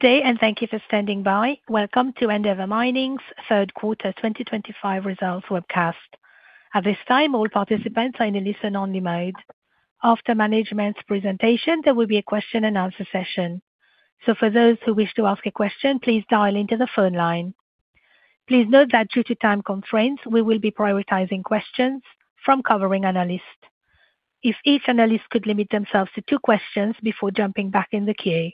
Good day, and thank you for standing by. Welcome to Endeavour Mining's Third Quarter 2025 Results Webcast. At this time, all participants are in a listen-only mode. After management's presentation, there will be a question-and-answer session. For those who wish to ask a question, please dial into the phone line. Please note that due to time constraints, we will be prioritizing questions from covering analysts. If each analyst could limit themselves to two questions before jumping back in the queue.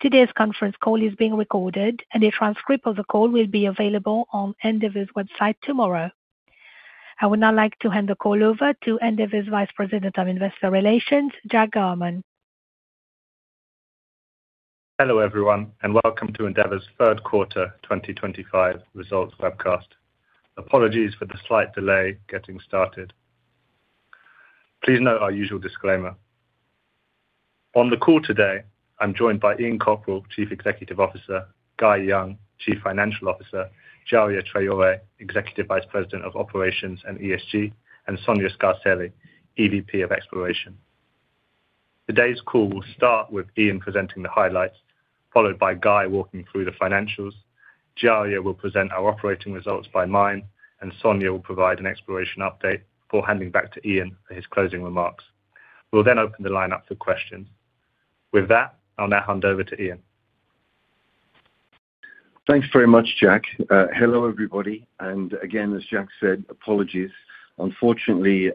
Today's conference call is being recorded, and a transcript of the call will be available on Endeavour's website tomorrow. I would now like to hand the call over to Endeavour's Vice President of Investor Relations, Jack Garman. Hello everyone, and welcome to Endeavour's Third Quarter 2025 Results Webcast. Apologies for the slight delay getting started. Please note our usual disclaimer. On the call today, I'm joined by Ian Cockerill, Chief Executive Officer; Guy Young, Chief Financial Officer; Djaria Traoré, Executive Vice President of Operations and ESG; and Sonia Scarselli, EVP of Exploration. Today's call will start with Ian presenting the highlights, followed by Guy walking through the financials. Djaria will present our operating results by mine, and Sonia will provide an exploration update before handing back to Ian for his closing remarks. We'll then open the line up for questions. With that, I'll now hand over to Ian. Thanks very much, Jack. Hello everybody, and again, as Jack said, apologies. Unfortunately,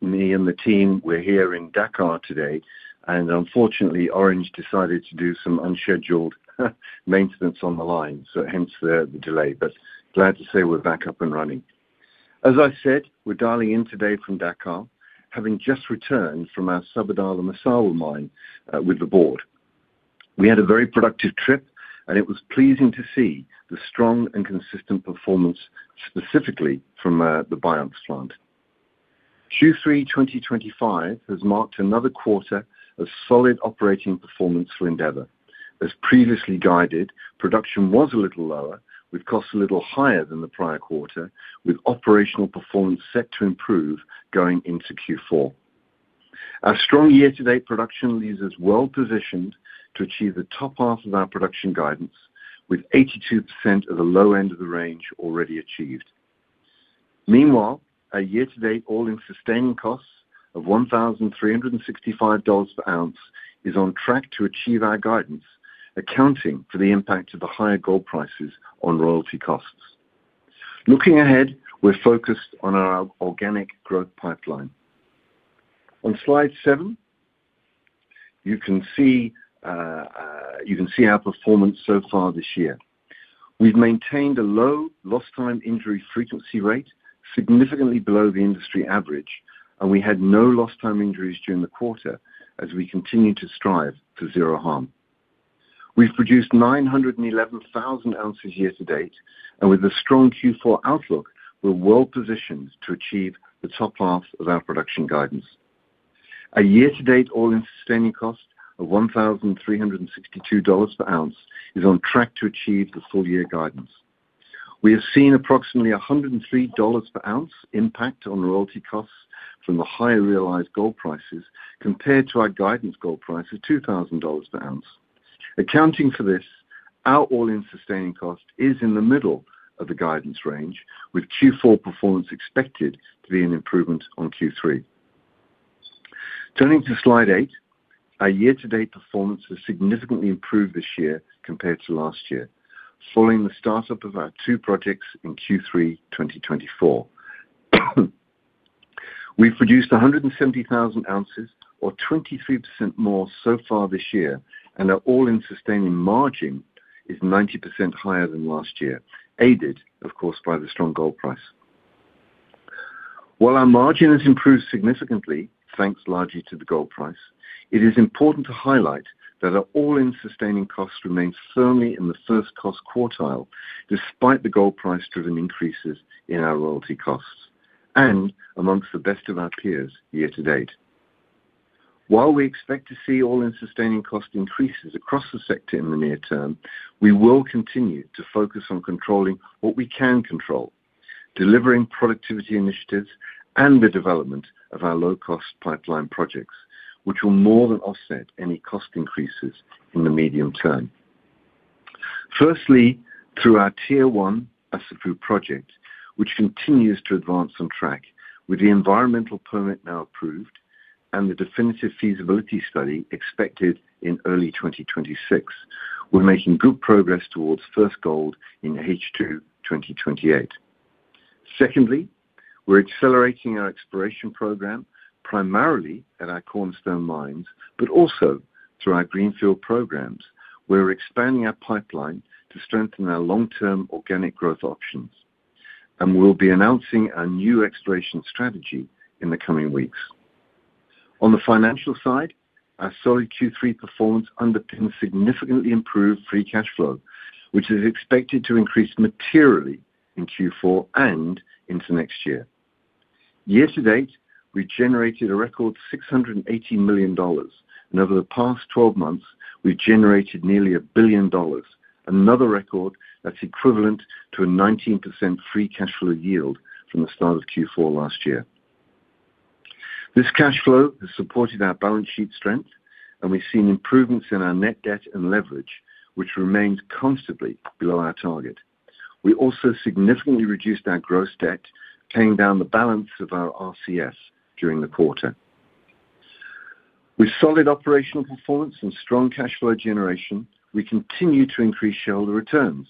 me and the team, we're here in Dakar today, and unfortunately, Orange decided to do some unscheduled maintenance on the line, so hence the delay. Glad to say we're back up and running. As I said, we're dialing in today from Dakar, having just returned from our Sabodala-Massawa mine with the board. We had a very productive trip, and it was pleasing to see the strong and consistent performance, specifically from the BioX plant. Q3 2025 has marked another quarter of solid operating performance for Endeavour. As previously guided, production was a little lower, with costs a little higher than the prior quarter, with operational performance set to improve going into Q4. Our strong year-to-date production leaves us well positioned to achieve the top half of our production guidance, with 82% of the low end of the range already achieved. Meanwhile, our year-to-date all-in sustaining costs of GBP 1,365 per ounce is on track to achieve our guidance, accounting for the impact of the higher gold prices on royalty costs. Looking ahead, we're focused on our organic growth pipeline. On slide seven, you can see our performance so far this year. We've maintained a low loss time injury frequency rate, significantly below the industry average, and we had no loss time injuries during the quarter as we continue to strive for zero harm. We've produced 911,000 ounces year-to-date, and with a strong Q4 outlook, we're well positioned to achieve the top half of our production guidance. Our year-to-date all-in sustaining cost of GBP 1,362 per ounce is on track to achieve the full year guidance. We have seen approximately GBP 103 per ounce impact on royalty costs from the higher realized gold prices compared to our guidance gold price of GBP 2,000 per ounce. Accounting for this, our all-in sustaining cost is in the middle of the guidance range, with Q4 performance expected to be an improvement on Q3. Turning to slide eight, our year-to-date performance has significantly improved this year compared to last year, following the start-up of our two projects in Q3 2024. We have produced 170,000 ounces, or 23% more so far this year, and our all-in sustaining margin is 90% higher than last year, aided, of course, by the strong gold price. While our margin has improved significantly, thanks largely to the gold price, it is important to highlight that our all-in sustaining cost remains firmly in the first cost quartile, despite the gold price-driven increases in our royalty costs, and amongst the best of our peers year-to-date. While we expect to see all-in sustaining cost increases across the sector in the near term, we will continue to focus on controlling what we can control, delivering productivity initiatives, and the development of our low-cost pipeline projects, which will more than offset any cost increases in the medium term. Firstly, through our tier one Asafu project, which continues to advance on track, with the environmental permit now approved and the definitive feasibility study expected in early 2026, we're making good progress towards first gold in H2 2028. Secondly, we're accelerating our exploration program, primarily at our cornerstone mines, but also through our greenfield programs. We're expanding our pipeline to strengthen our long-term organic growth options, and we'll be announcing our new exploration strategy in the coming weeks. On the financial side, our solid Q3 performance underpins significantly improved free cash flow, which is expected to increase materially in Q4 and into next year. Year-to-date, we've generated a record GBP 680 million, and over the past 12 months, we've generated nearly a billion dollars, another record that's equivalent to a 19% free cash flow yield from the start of Q4 last year. This cash flow has supported our balance sheet strength, and we've seen improvements in our net debt and leverage, which remains constantly below our target. We also significantly reduced our gross debt, paying down the balance of our RCF during the quarter. With solid operational performance and strong cash flow generation, we continue to increase shareholder returns,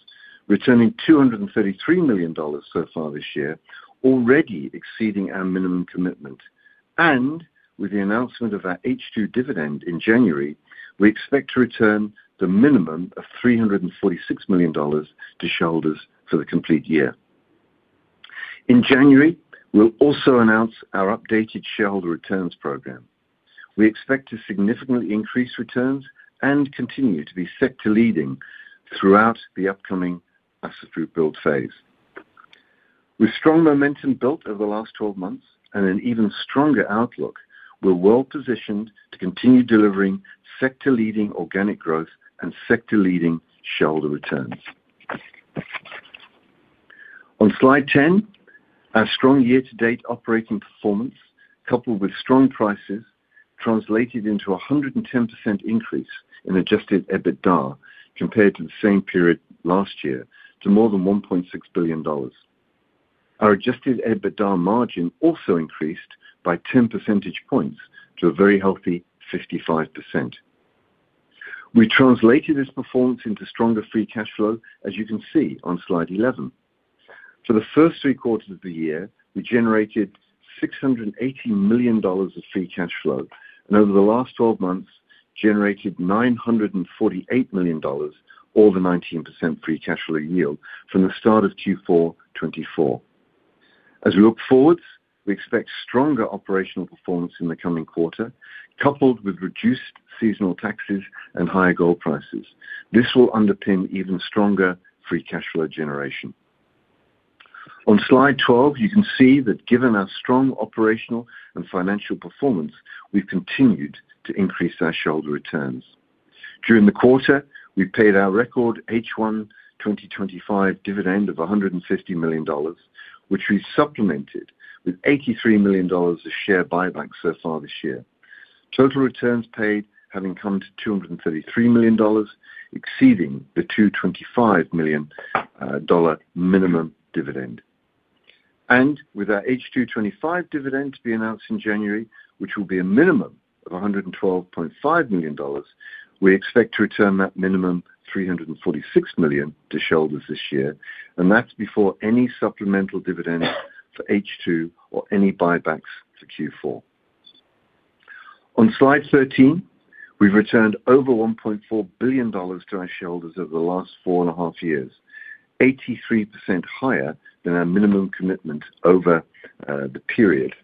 returning GBP 233 million so far this year, already exceeding our minimum commitment. With the announcement of our H2 dividend in January, we expect to return the minimum of GBP 346 million to shareholders for the complete year. In January, we'll also announce our updated shareholder returns program. We expect to significantly increase returns and continue to be sector leading throughout the upcoming Asafu build phase. With strong momentum built over the last 12 months and an even stronger outlook, we're well positioned to continue delivering sector-leading organic growth and sector-leading shareholder returns. On slide 10, our strong year-to-date operating performance, coupled with strong prices, translated into a 110% increase in adjusted EBITDA compared to the same period last year, to more than GBP 1.6 billion. Our adjusted EBITDA margin also increased by 10 percentage points to a very healthy 55%. We translated this performance into stronger free cash flow, as you can see on slide 11. For the first three quarters of the year, we generated GBP 680 million of free cash flow, and over the last 12 months, generated GBP 948 million, or the 19% free cash flow yield, from the start of Q4 2024. As we look forwards, we expect stronger operational performance in the coming quarter, coupled with reduced seasonal taxes and higher gold prices. This will underpin even stronger free cash flow generation. On slide 12, you can see that given our strong operational and financial performance, we've continued to increase our shareholder returns. During the quarter, we paid our record H1 2025 dividend of GBP 150 million, which we supplemented with GBP 83 million of share buyback so far this year. Total returns paid have come to GBP 233 million, exceeding the GBP 225 million minimum dividend. With our H2 2025 dividend to be announced in January, which will be a minimum of GBP 112.5 million, we expect to return that minimum 346 million to shareholders this year, and that is before any supplemental dividends for H2 or any buybacks for Q4. On slide 13, we have returned over GBP 1.4 billion to our shareholders over the last four and a half years, 83% higher than our minimum commitment over the period.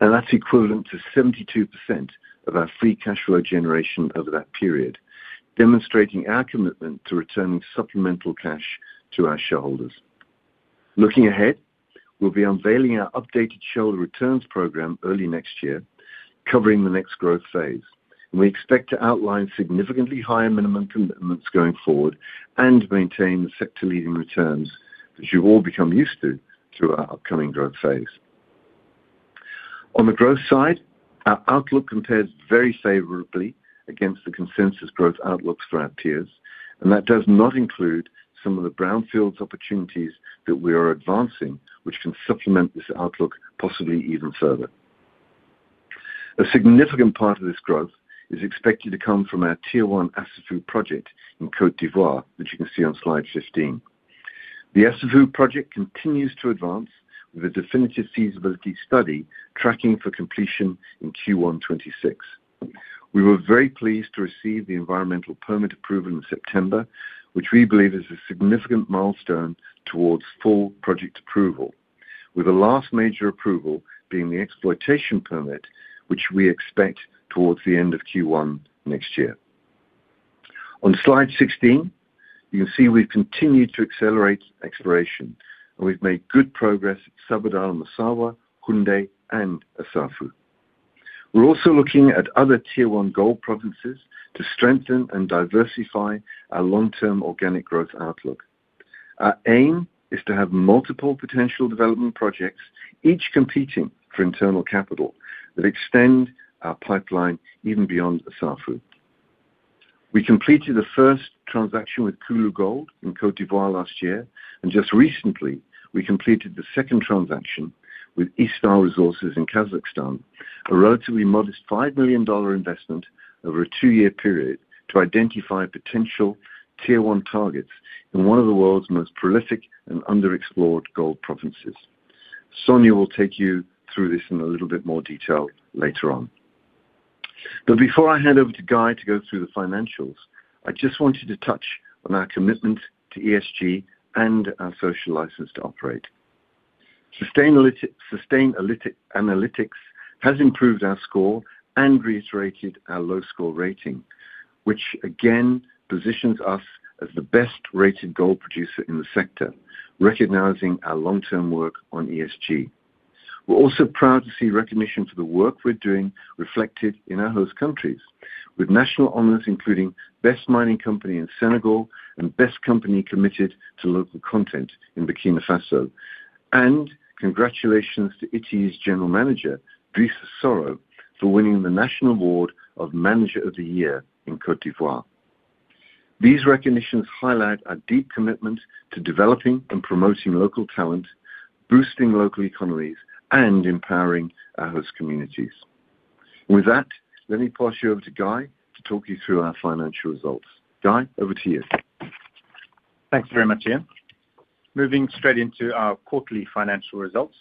That is equivalent to 72% of our free cash flow generation over that period, demonstrating our commitment to returning supplemental cash to our shareholders. Looking ahead, we will be unveiling our updated shareholder returns program early next year, covering the next growth phase. We expect to outline significantly higher minimum commitments going forward and maintain the sector-leading returns, as you all become used to, through our upcoming growth phase. On the growth side, our outlook compares very favorably against the consensus growth outlooks for our peers, and that does not include some of the brownfield opportunities that we are advancing, which can supplement this outlook possibly even further. A significant part of this growth is expected to come from our tier one Asafu project in Côte d'Ivoire, which you can see on slide 15. The Asafu project continues to advance with a definitive feasibility study tracking for completion in Q1 2026. We were very pleased to receive the environmental permit approval in September, which we believe is a significant milestone towards full project approval, with the last major approval being the exploitation permit, which we expect towards the end of Q1 next year. On slide 16, you can see we've continued to accelerate exploration, and we've made good progress at Sabodala-Massawa, Houndé, and Asafu. We're also looking at other tier one gold provinces to strengthen and diversify our long-term organic growth outlook. Our aim is to have multiple potential development projects, each competing for internal capital, that extend our pipeline even beyond Asafu. We completed the first transaction with Kulu Gold in Côte d'Ivoire last year, and just recently, we completed the second transaction with East Star Resources in Kazakhstan, a relatively modest GBP 5 million investment over a two-year period to identify potential tier one targets in one of the world's most prolific and underexplored gold provinces. Sonia will take you through this in a little bit more detail later on. Before I hand over to Guy to go through the financials, I just wanted to touch on our commitment to ESG and our social license to operate. Sustain Analytics has improved our score and reiterated our low score rating, which again positions us as the best-rated gold producer in the sector, recognizing our long-term work on ESG. We're also proud to see recognition for the work we're doing reflected in our host countries, with national honors including Best Mining Company in Senegal and Best Company Committed to Local Content in Burkina Faso. Congratulations to Ity's General Manager, Bruce Asoro, for winning the National Award of Manager of the Year in Côte d'Ivoire. These recognitions highlight our deep commitment to developing and promoting local talent, boosting local economies, and empowering our host communities. With that, let me pass you over to Guy to talk you through our financial results. Guy, over to you. Thanks very much, Ian. Moving straight into our quarterly financial results.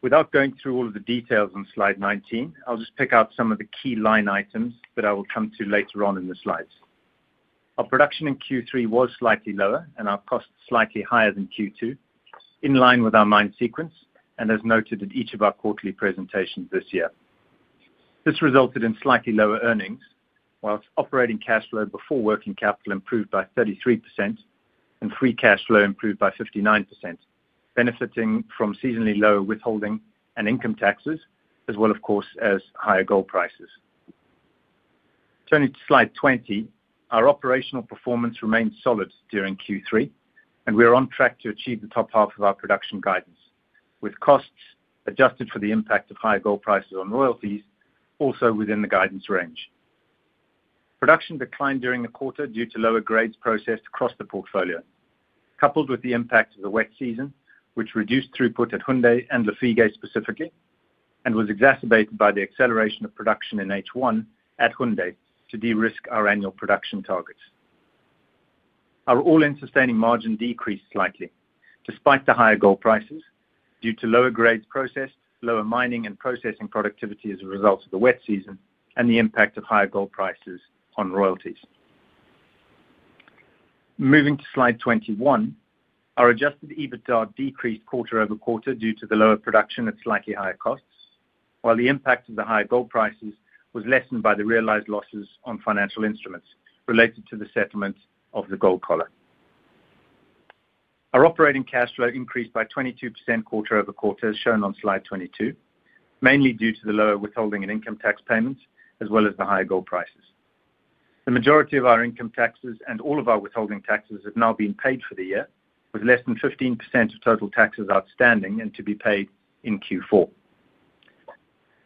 Without going through all of the details on slide 19, I'll just pick out some of the key line items that I will come to later on in the slides. Our production in Q3 was slightly lower and our costs slightly higher than Q2, in line with our mine sequence and as noted in each of our quarterly presentations this year. This resulted in slightly lower earnings, whilst operating cash flow before working capital improved by 33% and free cash flow improved by 59%, benefiting from seasonally lower withholding and income taxes, as well, of course, as higher gold prices. Turning to slide 20, our operational performance remained solid during Q3, and we are on track to achieve the top half of our production guidance, with costs adjusted for the impact of higher gold prices on royalties also within the guidance range. Production declined during the quarter due to lower grades processed across the portfolio, coupled with the impact of the wet season, which reduced throughput at Houndé and Lafigué specifically, and was exacerbated by the acceleration of production in H1 at Houndé to de-risk our annual production targets. Our all-in sustaining margin decreased slightly, despite the higher gold prices, due to lower grades processed, lower mining and processing productivity as a result of the wet season, and the impact of higher gold prices on royalties. Moving to slide 21, our adjusted EBITDA decreased quarter over quarter due to the lower production and slightly higher costs, while the impact of the higher gold prices was lessened by the realized losses on financial instruments related to the settlement of the gold collar. Our operating cash flow increased by 22% quarter over quarter, as shown on slide 22, mainly due to the lower withholding and income tax payments, as well as the higher gold prices. The majority of our income taxes and all of our withholding taxes have now been paid for the year, with less than 15% of total taxes outstanding and to be paid in Q4.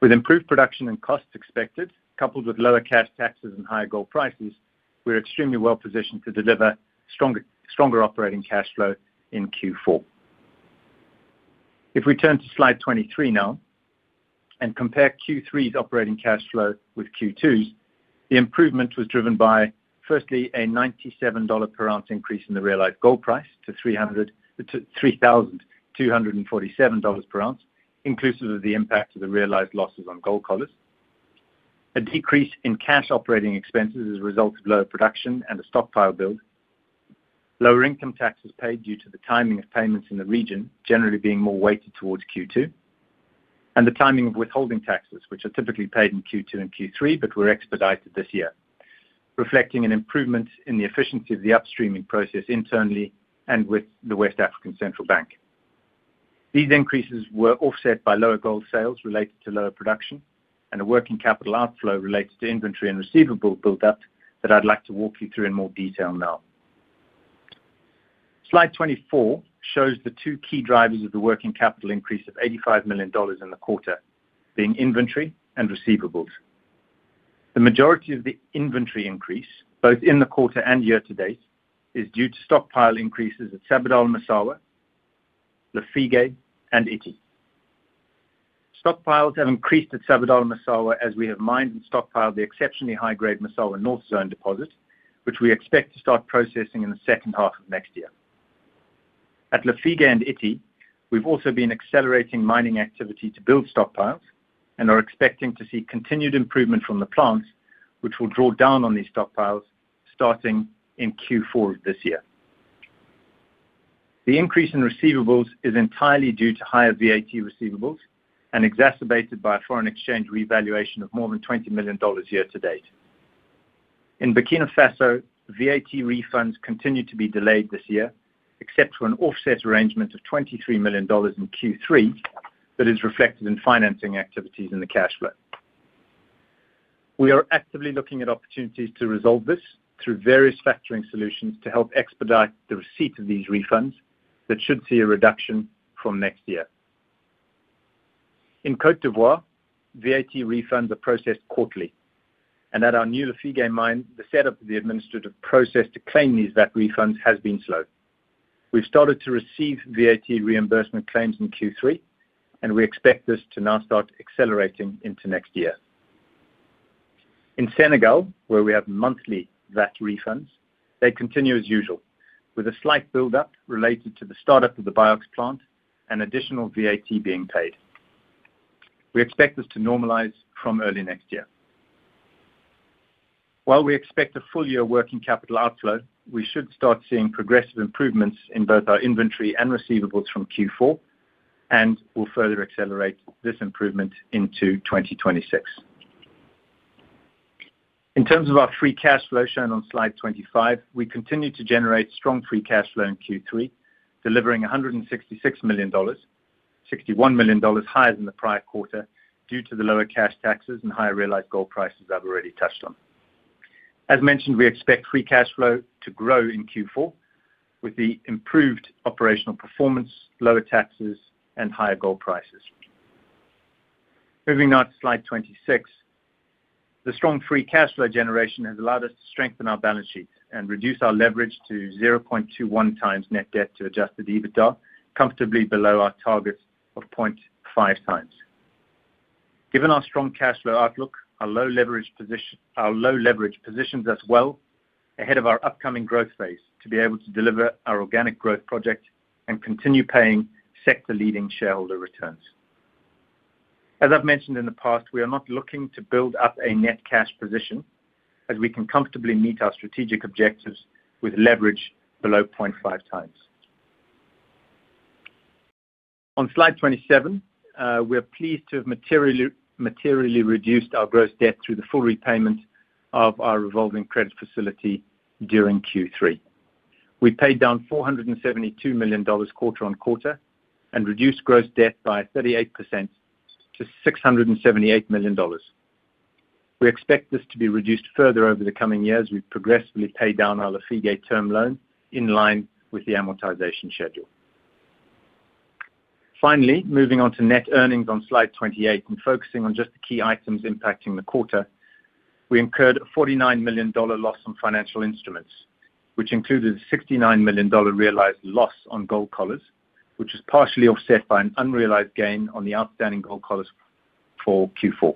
With improved production and costs expected, coupled with lower cash taxes and higher gold prices, we're extremely well positioned to deliver stronger operating cash flow in Q4. If we turn to slide 23 now and compare Q3's operating cash flow with Q2's, the improvement was driven by, firstly, a GBP 97 per ounce increase in the realized gold price to GBP 3,247 per ounce, inclusive of the impact of the realized losses on gold collars. A decrease in cash operating expenses as a result of lower production and a stockpile build. Lower income taxes paid due to the timing of payments in the region generally being more weighted towards Q2, and the timing of withholding taxes, which are typically paid in Q2 and Q3, but were expedited this year, reflecting an improvement in the efficiency of the upstreaming process internally and with the West African Central Bank. These increases were offset by lower gold sales related to lower production and a working capital outflow related to inventory and receivable build-up that I'd like to walk you through in more detail now. Slide 24 shows the two key drivers of the working capital increase of GBP 85 million in the quarter, being inventory and receivables. The majority of the inventory increase, both in the quarter and year-to-date, is due to stockpile increases at Sabodala-Massawa, Lafigué, and Ity. Stockpiles have increased at Sabodala-Massawa as we have mined and stockpiled the exceptionally high-grade Massawa North Zone deposit, which we expect to start processing in the second half of next year. At Lafigué and Ity, we've also been accelerating mining activity to build stockpiles and are expecting to see continued improvement from the plants, which will draw down on these stockpiles starting in Q4 of this year. The increase in receivables is entirely due to higher VAT receivables and exacerbated by a foreign exchange revaluation of more than GBP 20 million year-to-date. In Burkina Faso, VAT refunds continue to be delayed this year, except for an offset arrangement of GBP 23 million in Q3 that is reflected in financing activities in the cash flow. We are actively looking at opportunities to resolve this through various factoring solutions to help expedite the receipt of these refunds that should see a reduction from next year. In Côte d'Ivoire, VAT refunds are processed quarterly, and at our new Lafigué mine, the setup of the administrative process to claim these VAT refunds has been slow. We've started to receive VAT reimbursement claims in Q3, and we expect this to now start accelerating into next year. In Senegal, where we have monthly VAT refunds, they continue as usual, with a slight build-up related to the startup of the BioX plant and additional VAT being paid. We expect this to normalise from early next year. While we expect a full year of working capital outflow, we should start seeing progressive improvements in both our inventory and receivables from Q4, and we'll further accelerate this improvement into 2026. In terms of our free cash flow shown on slide 25, we continue to generate strong free cash flow in Q3, delivering GBP 166 million, GBP 61 million higher than the prior quarter due to the lower cash taxes and higher realized gold prices I've already touched on. As mentioned, we expect free cash flow to grow in Q4 with the improved operational performance, lower taxes, and higher gold prices. Moving now to slide 26, the strong free cash flow generation has allowed us to strengthen our balance sheet and reduce our leverage to 0.21 times net debt to adjusted EBITDA, comfortably below our targets of 0.5 times. Given our strong cash flow outlook, our low leverage positions us well ahead of our upcoming growth phase to be able to deliver our organic growth project and continue paying sector-leading shareholder returns. As I've mentioned in the past, we are not looking to build up a net cash position, as we can comfortably meet our strategic objectives with leverage below 0.5 times. On slide 27, we're pleased to have materially reduced our gross debt through the full repayment of our revolving credit facility during Q3. We paid down GBP 472 million quarter on quarter and reduced gross debt by 38% to GBP 678 million. We expect this to be reduced further over the coming year as we progressively pay down our Lafigué term loan in line with the amortization schedule. Finally, moving on to net earnings on slide 28 and focusing on just the key items impacting the quarter, we incurred a GBP 49 million loss on financial instruments, which included a GBP 69 million realized loss on gold collars, which was partially offset by an unrealized gain on the outstanding gold collars for Q4.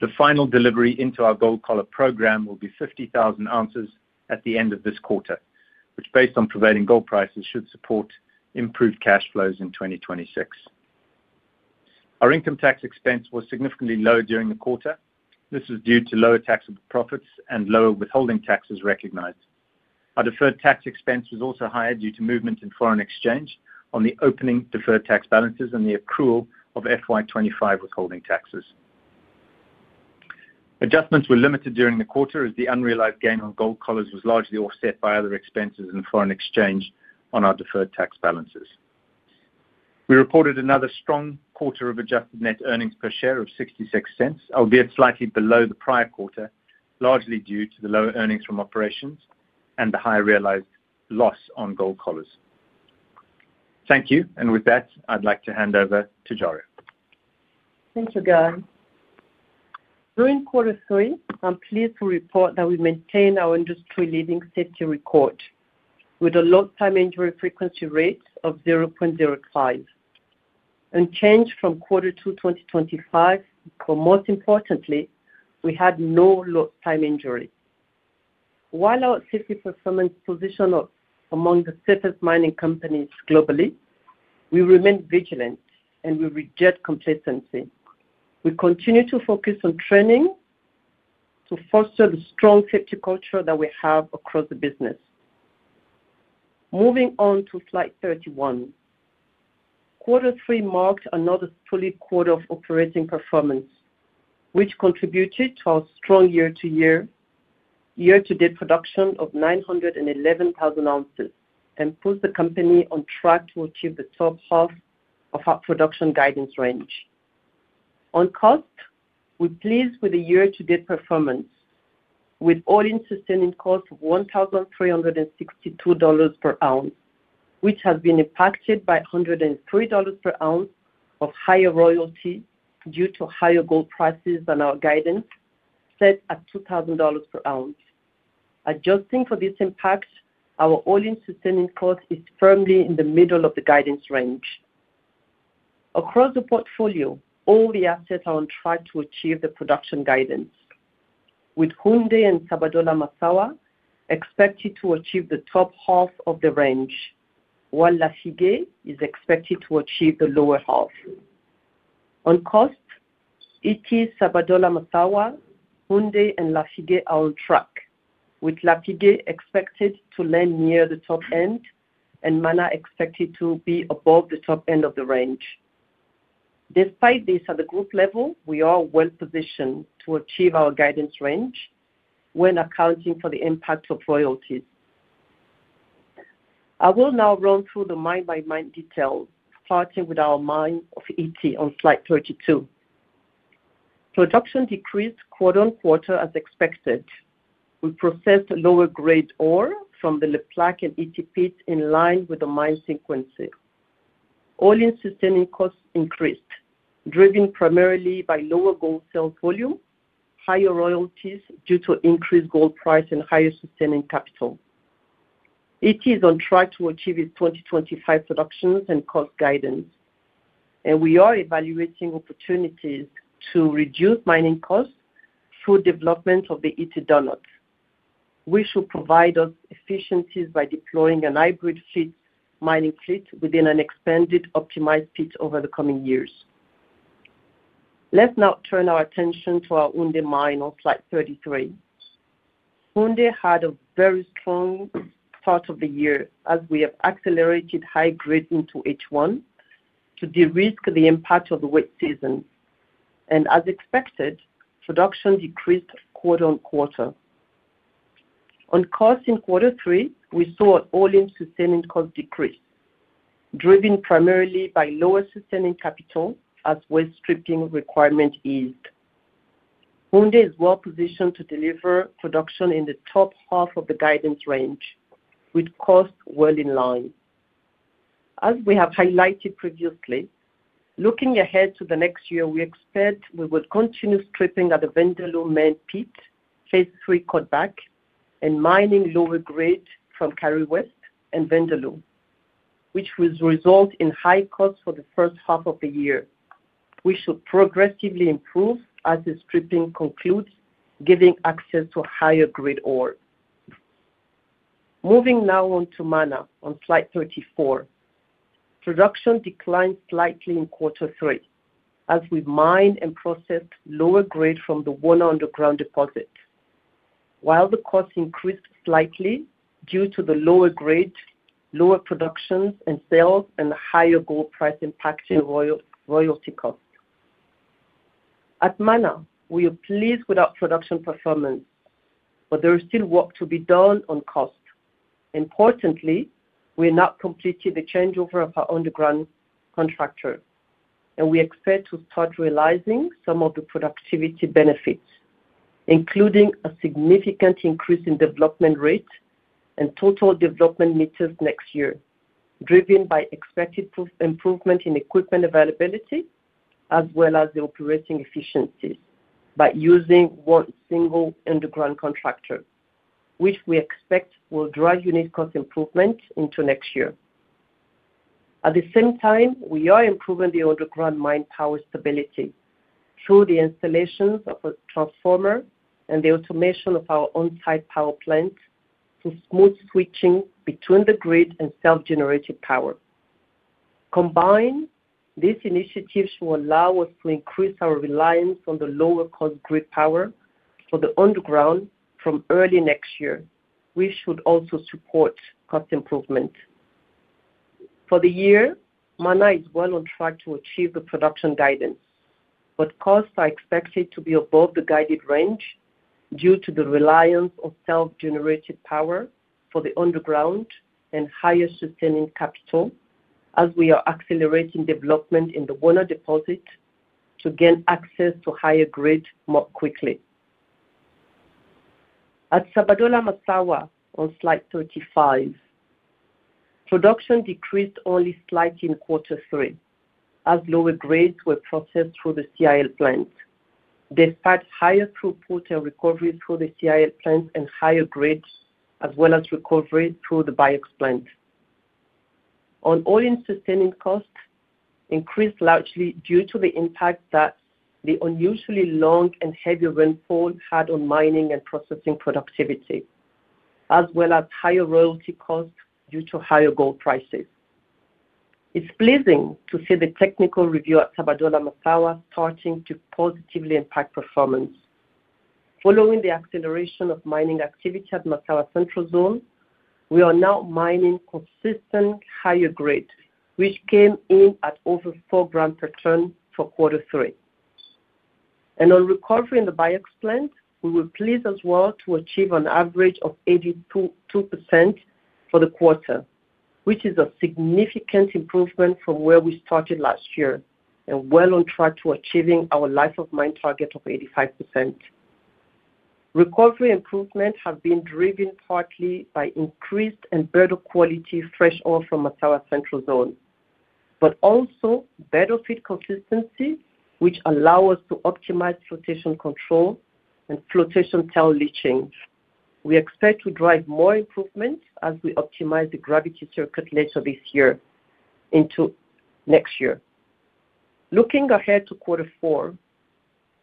The final delivery into our gold collar program will be 50,000 ounces at the end of this quarter, which, based on prevailing gold prices, should support improved cash flows in 2026. Our income tax expense was significantly low during the quarter. This was due to lower taxable profits and lower withholding taxes recognized. Our deferred tax expense was also higher due to movement in foreign exchange on the opening deferred tax balances and the accrual of FY25 withholding taxes. Adjustments were limited during the quarter as the unrealized gain on gold collars was largely offset by other expenses in foreign exchange on our deferred tax balances. We reported another strong quarter of adjusted net earnings per share of 0.66, albeit slightly below the prior quarter, largely due to the lower earnings from operations and the higher realized loss on gold collars. Thank you. With that, I'd like to hand over to Djaria. Thank you, Guy. During quarter three, I'm pleased to report that we maintain our industry-leading safety record with a lost time injury frequency rate of 0.05, unchanged from quarter two 2025. Most importantly, we had no lost time injury. While our safety performance positioned among the safest mining companies globally, we remain vigilant and we reject complacency. We continue to focus on training to foster the strong safety culture that we have across the business. Moving on to slide 31, quarter three marked another strong quarter of operating performance, which contributed to our strong year-to-date production of 911,000 ounces and put the company on track to achieve the top half of our production guidance range. On cost, we're pleased with the year-to-date performance, with all-in sustaining cost of GBP 1,362 per ounce, which has been impacted by GBP 103 per ounce of higher royalty due to higher gold prices than our guidance, set at GBP 2,000 per ounce. Adjusting for this impact, our all-in sustaining cost is firmly in the middle of the guidance range. Across the portfolio, all the assets are on track to achieve the production guidance, with Houndé and Sabodala-Massawa expected to achieve the top half of the range, while Lafigué is expected to achieve the lower half. On cost, Ity, Sabodala-Massawa, Houndé, and Lafigué are on track, with Lafigué expected to land near the top end and Mana expected to be above the top end of the range. Despite this, at the group level, we are well positioned to achieve our guidance range when accounting for the impact of royalties. I will now run through the mine-by-mine details, starting with our mine of Ity on slide 32. Production decreased quarter on quarter as expected. We processed lower-grade ore from the Le Plaque and Ity pits in line with the mine sequence. All-in sustaining costs increased, driven primarily by lower gold sales volume, higher royalties due to increased gold price, and higher sustaining capital. Ity is on track to achieve its 2025 production and cost guidance, and we are evaluating opportunities to reduce mining costs through development of the Ity Donut. This should provide us efficiencies by deploying a hybrid mining fleet within an expanded, optimized fleet over the coming years. Let's now turn our attention to our Houndé mine on slide 33. Houndé had a very strong start of the year as we have accelerated high grade into H1 to de-risk the impact of the wet season. As expected, production decreased quarter on quarter. On cost in quarter three, we saw all-in sustaining costs decrease, driven primarily by lower sustaining capital as well as stripping requirement eased. Houndé is well positioned to deliver production in the top half of the guidance range, with costs well in line. As we have highlighted previously, looking ahead to the next year, we expect we will continue stripping at the Vindaloo main pit, phase three cutback, and mining lower grade from Kari West and Vindaloo, which will result in high costs for the first half of the year. We should progressively improve as the stripping concludes, giving access to higher grade ore. Moving now on to Mana on slide 34. Production declined slightly in quarter three as we mined and processed lower grade from the Wona underground deposit, while the costs increased slightly due to the lower grade, lower production and sales, and the higher gold price impacting royalty costs. At Mana, we are pleased with our production performance, but there is still work to be done on cost. Importantly, we are now completing the changeover of our underground contractor, and we expect to start realising some of the productivity benefits, including a significant increase in development rate and total development metres next year, driven by expected improvement in equipment availability as well as the operating efficiencies by using one single underground contractor, which we expect will drive unit cost improvement into next year. At the same time, we are improving the underground mine power stability through the installations of a transformer and the automation of our onsite power plants through smooth switching between the grid and self-generated power. Combined, this initiative should allow us to increase our reliance on the lower-cost grid power for the underground from early next year, which should also support cost improvement. For the year, Mana is well on track to achieve the production guidance, but costs are expected to be above the guided range due to the reliance on self-generated power for the underground and higher sustaining capital as we are accelerating development in the Wona deposit to gain access to higher grade more quickly. At Sabodala-Massawa on slide 35, production decreased only slightly in quarter three as lower grades were processed through the CIL plant, despite higher throughput and recovery through the CIL plant and higher grade, as well as recovery through the BioX plant. On all-in sustaining costs, increased largely due to the impact that the unusually long and heavy rainfall had on mining and processing productivity, as well as higher royalty costs due to higher gold prices. It's pleasing to see the technical review at Sabodala-Massawa starting to positively impact performance. Following the acceleration of mining activity at Massawa Central Zone, we are now mining consistent higher grade, which came in at over 4 grams per tonne for quarter three. On recovery in the BioX plant, we were pleased as well to achieve an average of 82% for the quarter, which is a significant improvement from where we started last year and well on track to achieving our life-of-mine target of 85%. Recovery improvements have been driven partly by increased and better quality fresh ore from Masawa Central Zone, but also better feed consistency, which allows us to optimize flotation control and flotation tail leaching. We expect to drive more improvements as we optimize the gravity circuit later this year into next year. Looking ahead to quarter four,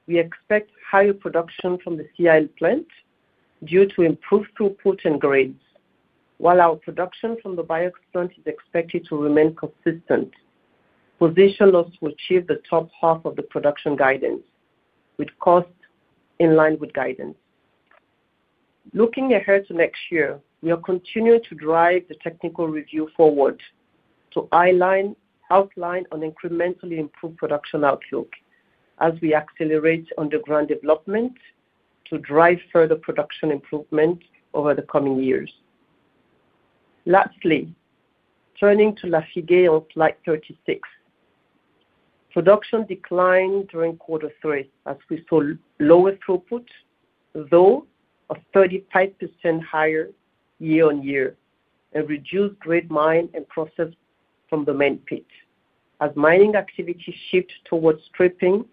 we expect higher production from the CIL plant due to improved throughput and grades, while our production from the BioX plant is expected to remain consistent. We will achieve the top half of the production guidance, with costs in line with guidance. Looking ahead to next year, we are continuing to drive the technical review forward to outline an incrementally improved production outlook as we accelerate underground development to drive further production improvement over the coming years. Lastly, turning to Lafigué on slide 36, production declined during quarter three as we saw lower throughput, though up 35% year on year, and reduced grade mined and processed from the main pit as mining activity shifted towards stripping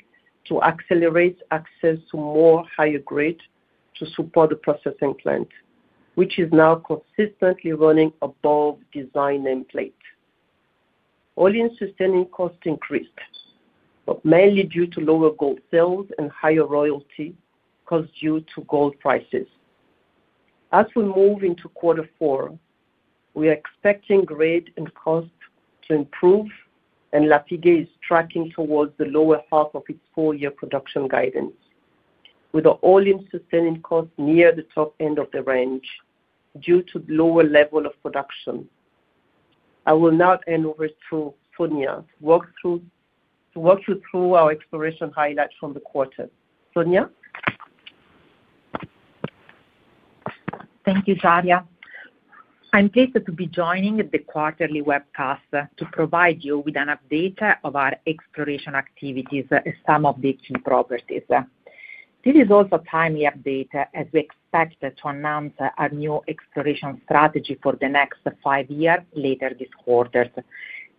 to accelerate access to more higher grade to support the processing plant, which is now consistently running above design nameplate. All-in sustaining costs increased, but mainly due to lower gold sales and higher royalty costs due to gold prices. As we move into quarter four, we are expecting grade and cost to improve, and Lafigué is tracking towards the lower half of its four-year production guidance, with all-in sustaining costs near the top end of the range due to lower level of production. I will now turn over to Sonia to walk you through our exploration highlights from the quarter. Sonia. Thank you, Djaria. I'm pleased to be joining the quarterly webcast to provide you with an update of our exploration activities and some of the key properties. This is also a timely update as we expect to announce our new exploration strategy for the next five years later this quarter.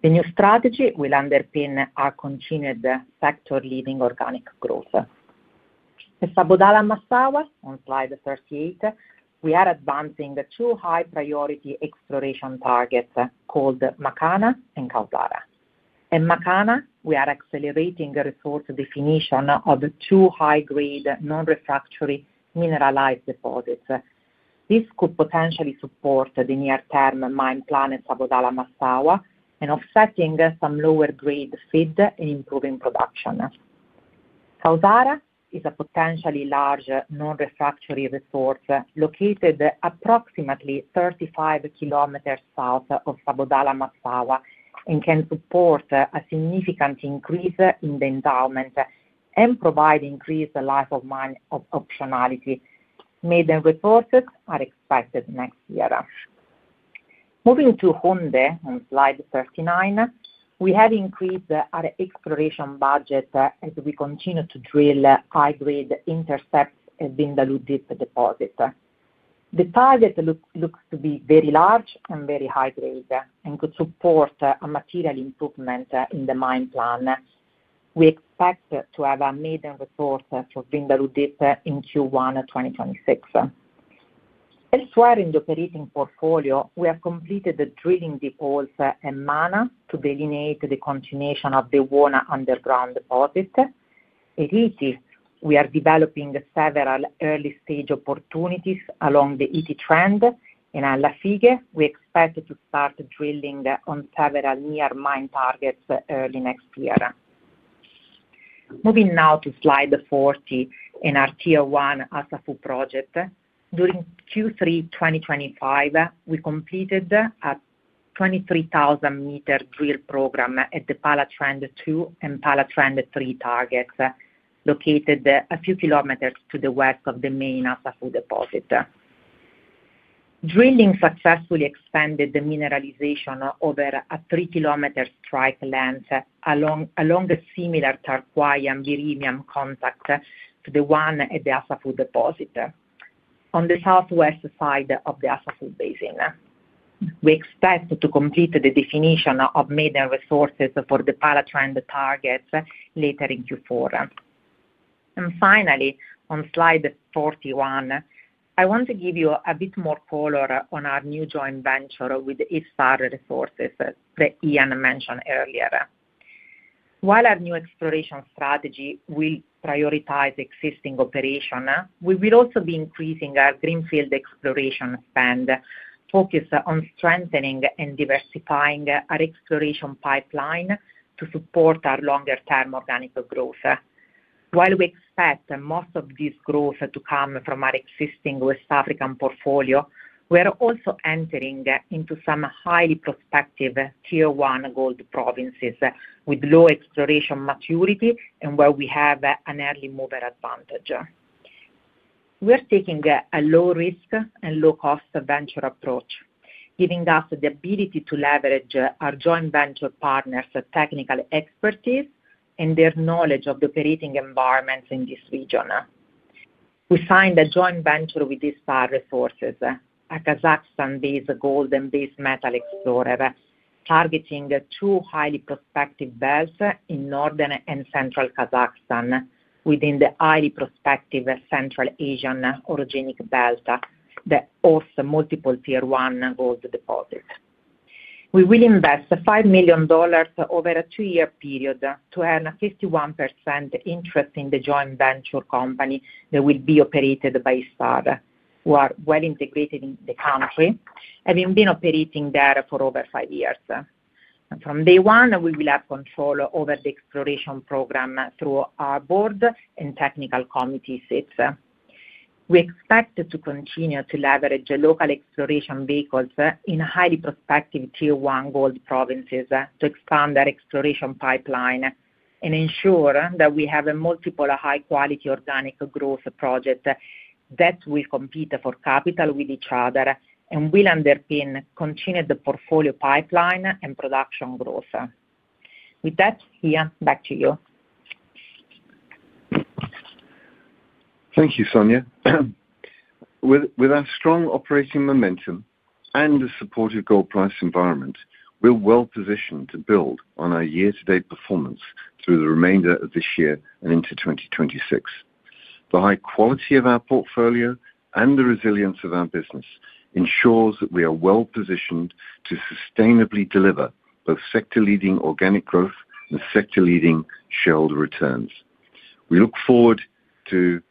The new strategy will underpin our continued sector-leading organic growth. At Sabodala-Massawa, on slide 38, we are advancing the two high-priority exploration targets called Makana and Kautara. At Makana, we are accelerating the resource definition of two high-grade, non-refractory mineralized deposits. This could potentially support the near-term mine plan at Sabodala-Massawa and offsetting some lower-grade feed and improving production. Kautara is a potentially large non-refractory resource located approximately 35 km south of Sabodala-Massawa and can support a significant increase in the endowment and provide increased life-of-mine optionality. Maiden reports are expected next year. Moving to Houndé on slide 39, we have increased our exploration budget as we continue to drill high-grade intercepts at the Vindaloo Deep deposit. The target looks to be very large and very high grade and could support a material improvement in the mine plan. We expect to have a maiden report for Vindaloo Deep in Q1 2026. Elsewhere in the operating portfolio, we have completed the drilling at Mana to delineate the continuation of the Wona underground deposit. At Ity, we are developing several early-stage opportunities along the Ity trend, and at Lafigué, we expect to start drilling on several near-mine targets early next year. Moving now to slide 40 in our Tier 1 Asafu project. During Q3 2025, we completed a 23,000-metre drill program at the Pala Trend 2 and Pala Trend 3 targets located a few kilometres to the west of the main Asafu deposit. Drilling successfully expanded the mineralisation over a 3 km strike length along a similar turquoise and viridian contact to the one at the Asafu deposit on the southwest side of the Asafu basin. We expect to complete the definition of maiden resources for the Pallatrend targets later in Q4. Finally, on slide 41, I want to give you a bit more color on our new joint venture with East Star Resources that Ian mentioned earlier. While our new exploration strategy will prioritize existing operations, we will also be increasing our greenfield exploration spend, focused on strengthening and diversifying our exploration pipeline to support our longer-term organic growth. While we expect most of this growth to come from our existing West African portfolio, we are also entering into some highly prospective Tier 1 gold provinces with low exploration maturity and where we have an early mover advantage. We are taking a low-risk and low-cost venture approach, giving us the ability to leverage our joint venture partners' technical expertise and their knowledge of the operating environments in this region. We signed a joint venture with East Star Resources, a Kazakhstan-based gold and base metal explorer targeting two highly prospective belts in northern and central Kazakhstan within the highly prospective Central Asian Orogenic Belt, the ORS multiple Tier 1 gold deposit. We will invest GBP 5 million over a two-year period to earn a 51% interest in the joint venture company that will be operated by East Star Resources, who are well integrated in the country having been operating there for over five years. From day one, we will have control over the exploration program through our board and technical committees itself. We expect to continue to leverage local exploration vehicles in highly prospective Tier 1 gold provinces to expand our exploration pipeline and ensure that we have multiple high-quality organic growth projects that will compete for capital with each other and will underpin continued portfolio pipeline and production growth. With that, Ian, back to you. Thank you, Sonia. With our strong operating momentum and the supportive gold price environment, we're well positioned to build on our year-to-date performance through the remainder of this year and into 2026. The high quality of our portfolio and the resilience of our business ensures that we are well positioned to sustainably deliver both sector-leading organic growth and sector-leading shareholder returns. We look forward to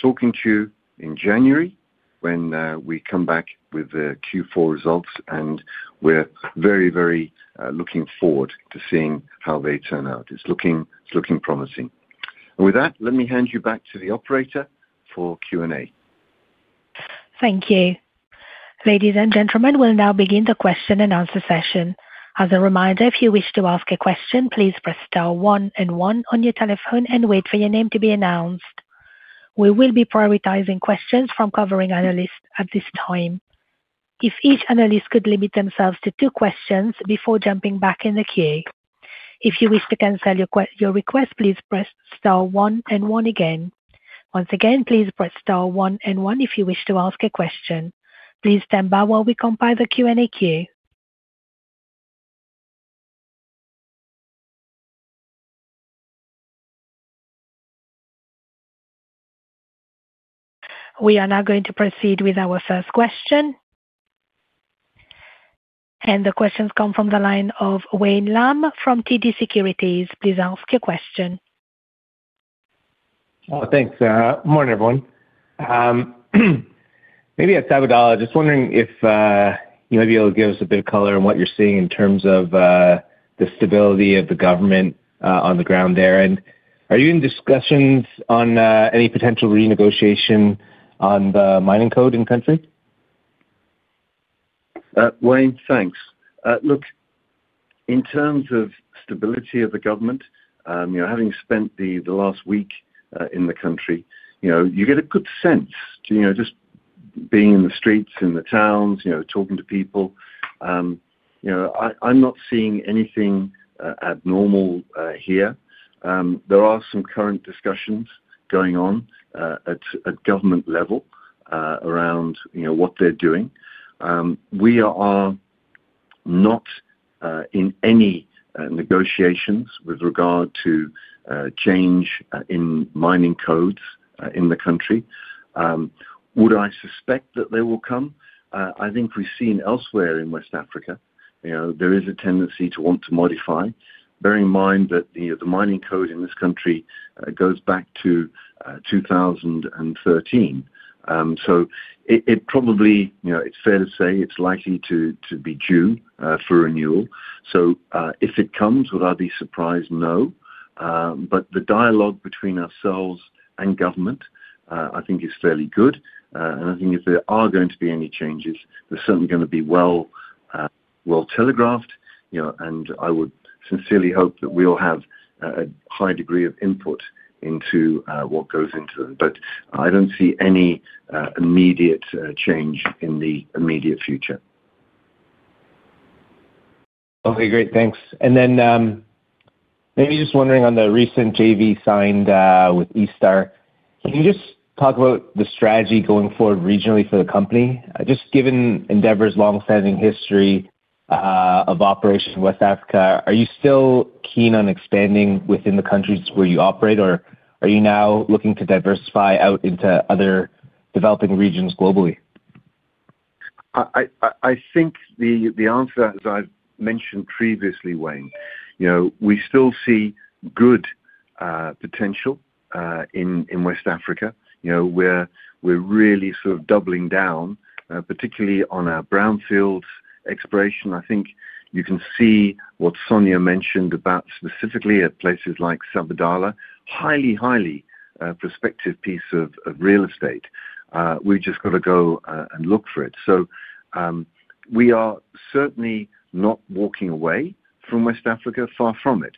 talking to you in January when we come back with the Q4 results, and we're very, very looking forward to seeing how they turn out. It's looking promising. With that, let me hand you back to the operator for Q&A. Thank you. Ladies and gentlemen, we'll now begin the question and answer session. As a reminder, if you wish to ask a question, please press star one and one on your telephone and wait for your name to be announced. We will be prioritizing questions from covering analysts at this time. If each analyst could limit themselves to two questions before jumping back in the queue. If you wish to cancel your request, please press star one and one again. Once again, please press star one and one if you wish to ask a question. Please stand by while we compile the Q&A queue. We are now going to proceed with our first question. The questions come from the line of Wayne Lam from TD Securities. Please ask your question. Thanks. Good morning, everyone. Maybe at Sabodala, just wondering if you might be able to give us a bit of colour on what you're seeing in terms of the stability of the government on the ground there. Are you in discussions on any potential renegotiation on the mining code in country? Wayne, thanks. Look, in terms of stability of the government, having spent the last week in the country, you get a good sense just being in the streets, in the towns, talking to people. I'm not seeing anything abnormal here. There are some current discussions going on at government level around what they're doing. We are not in any negotiations with regard to change in mining codes in the country. Would I suspect that they will come? I think we've seen elsewhere in West Africa, there is a tendency to want to modify, bearing in mind that the mining code in this country goes back to 2013. So it probably, it's fair to say, it's likely to be due for renewal. If it comes, would I be surprised? No. The dialogue between ourselves and government, I think, is fairly good. I think if there are going to be any changes, they're certainly going to be well telegraphed. I would sincerely hope that we all have a high degree of input into what goes into them. I don't see any immediate change in the immediate future. Okay, great. Thanks. Maybe just wondering on the recent JV signed with East Star Resources. Can you just talk about the strategy going forward regionally for the company? Just given Endeavour's long-standing history of operation in West Africa, are you still keen on expanding within the countries where you operate, or are you now looking to diversify out into other developing regions globally? I think the answer is, as I've mentioned previously, Wayne, we still see good potential in West Africa. We're really sort of doubling down, particularly on our brownfield exploration. I think you can see what Sonia mentioned about specifically at places like Sabodala-Massawa, highly, highly prospective piece of real estate. We've just got to go and look for it. We are certainly not walking away from West Africa, far from it.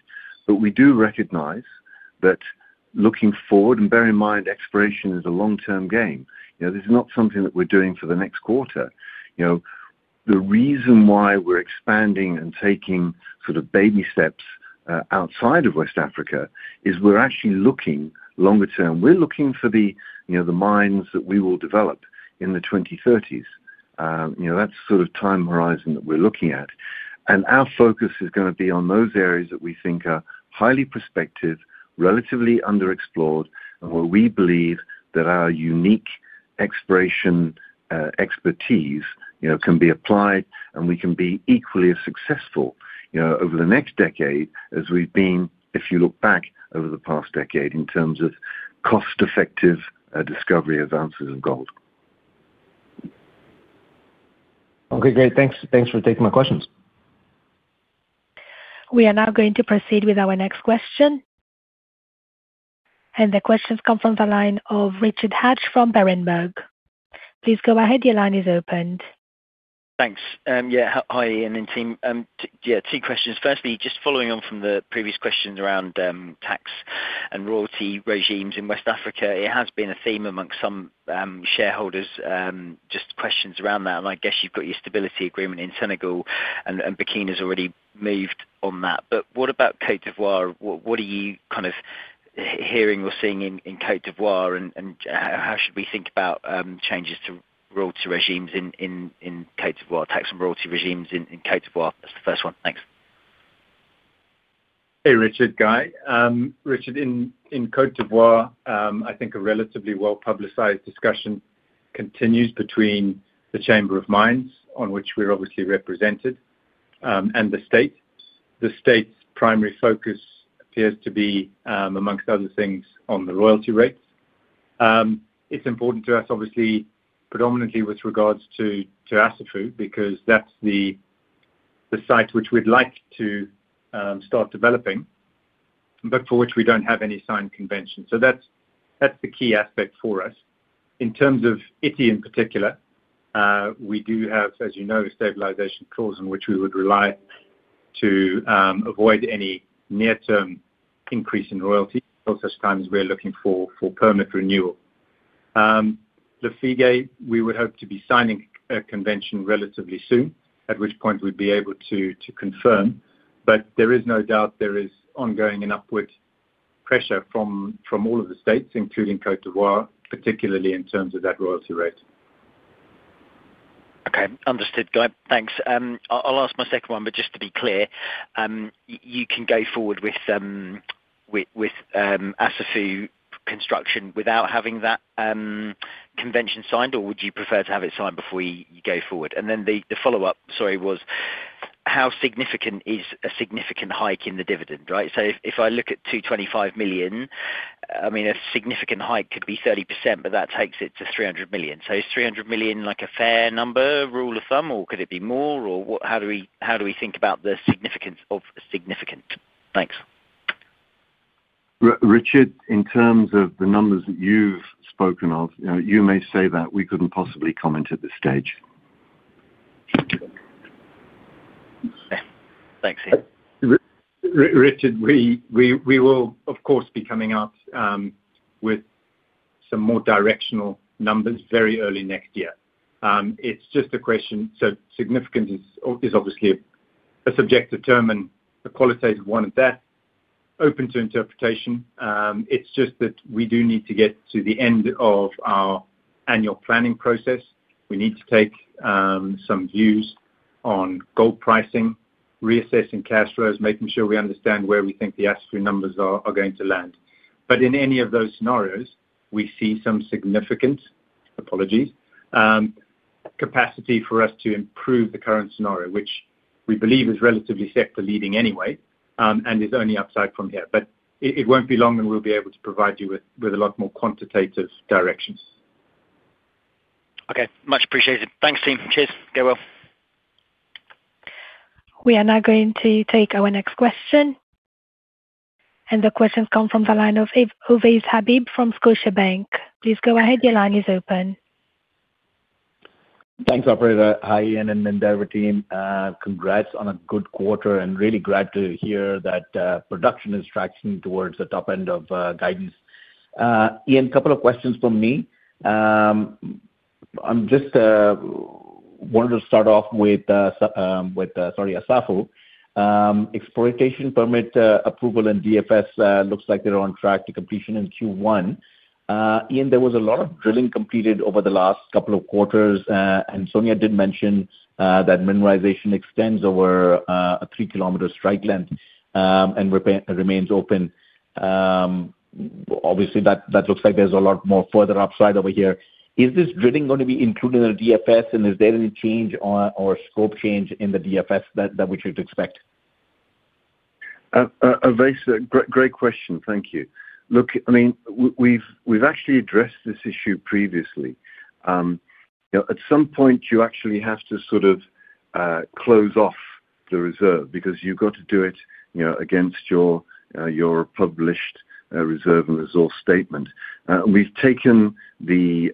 We do recognise that looking forward, and bear in mind, exploration is a long-term game. This is not something that we're doing for the next quarter. The reason why we're expanding and taking sort of baby steps outside of West Africa is we're actually looking longer term. We're looking for the mines that we will develop in the 2030s. That's the sort of time horizon that we're looking at. Our focus is going to be on those areas that we think are highly prospective, relatively underexplored, and where we believe that our unique exploration expertise can be applied and we can be equally as successful over the next decade as we've been, if you look back over the past decade, in terms of cost-effective discovery advances in gold. Okay, great. Thanks for taking my questions. We are now going to proceed with our next question. The questions come from the line of Richard Hatch from Berenberg. Please go ahead. Your line is opened. Thanks. Yeah, hi, Ian and team. Yeah, two questions. Firstly, just following on from the previous questions around tax and royalty regimes in West Africa, it has been a theme amongst some shareholders, just questions around that. I guess you've got your stability agreement in Senegal, and Burkina has already moved on that. What about Côte d'Ivoire? What are you kind of hearing or seeing in Côte d'Ivoire? How should we think about changes to royalty regimes in Côte d'Ivoire? Tax and royalty regimes in Côte d'Ivoire. That's the first one. Thanks. Hey, Richard, Guy. Richard, in Côte d'Ivoire, I think a relatively well-publicized discussion continues between the Chamber of Mines, on which we're obviously represented, and the state. The state's primary focus appears to be, amongst other things, on the royalty rates. It's important to us, obviously, predominantly with regards to Asafu, because that's the site which we'd like to start developing, but for which we don't have any signed convention. That's the key aspect for us. In terms of Ity in particular, we do have, as you know, a stabilization clause on which we would rely to avoid any near-term increase in royalty. At such times, we're looking for permit renewal. Lafigué, we would hope to be signing a convention relatively soon, at which point we'd be able to confirm. There is no doubt there is ongoing and upward pressure from all of the states, including Côte d'Ivoire, particularly in terms of that royalty rate. Okay, understood. Thanks. I'll ask my second one, but just to be clear, you can go forward with Asafu construction without having that convention signed, or would you prefer to have it signed before you go forward? The follow-up, sorry, was how significant is a significant hike in the dividend, right? If I look at 225 million, I mean, a significant hike could be 30%, but that takes it to 300 million. Is 300 million like a fair number, rule of thumb, or could it be more, or how do we think about the significance of significant? Thanks. Richard, in terms of the numbers that you've spoken of, you may say that we couldn't possibly comment at this stage. Thanks, Ian. Richard, we will, of course, be coming out with some more directional numbers very early next year. It's just a question, so significance is obviously a subjective term, and a qualitative one at that, open to interpretation. It's just that we do need to get to the end of our annual planning process. We need to take some views on gold pricing, reassessing cash flows, making sure we understand where we think the Asafu numbers are going to land. In any of those scenarios, we see some significant—apologies—capacity for us to improve the current scenario, which we believe is relatively sector-leading anyway and is only upside from here. It won't be long, and we'll be able to provide you with a lot more quantitative directions. Okay, much appreciated. Thanks, team. Cheers. Get well. We are now going to take our next question. The questions come from the line of Uvais Habib from Scotiabank. Please go ahead. Your line is open. Thanks, operator. Hi, Ian and Endeavour team. Congrats on a good quarter, and really glad to hear that production is tracking towards the top end of guidance. Ian, a couple of questions for me. I just wanted to start off with, sorry, Asafu. Exploitation permit approval and DFS looks like they're on track to completion in Q1. Ian, there was a lot of drilling completed over the last couple of quarters, and Sonia did mention that mineralisation extends over a 3 km strike length and remains open. Obviously, that looks like there's a lot more further upside over here. Is this drilling going to be included in the DFS, and is there any change or scope change in the DFS that we should expect? Uvais, great question. Thank you. Look, I mean, we've actually addressed this issue previously. At some point, you actually have to sort of close off the reserve because you've got to do it against your published reserve and resource statement. We've taken the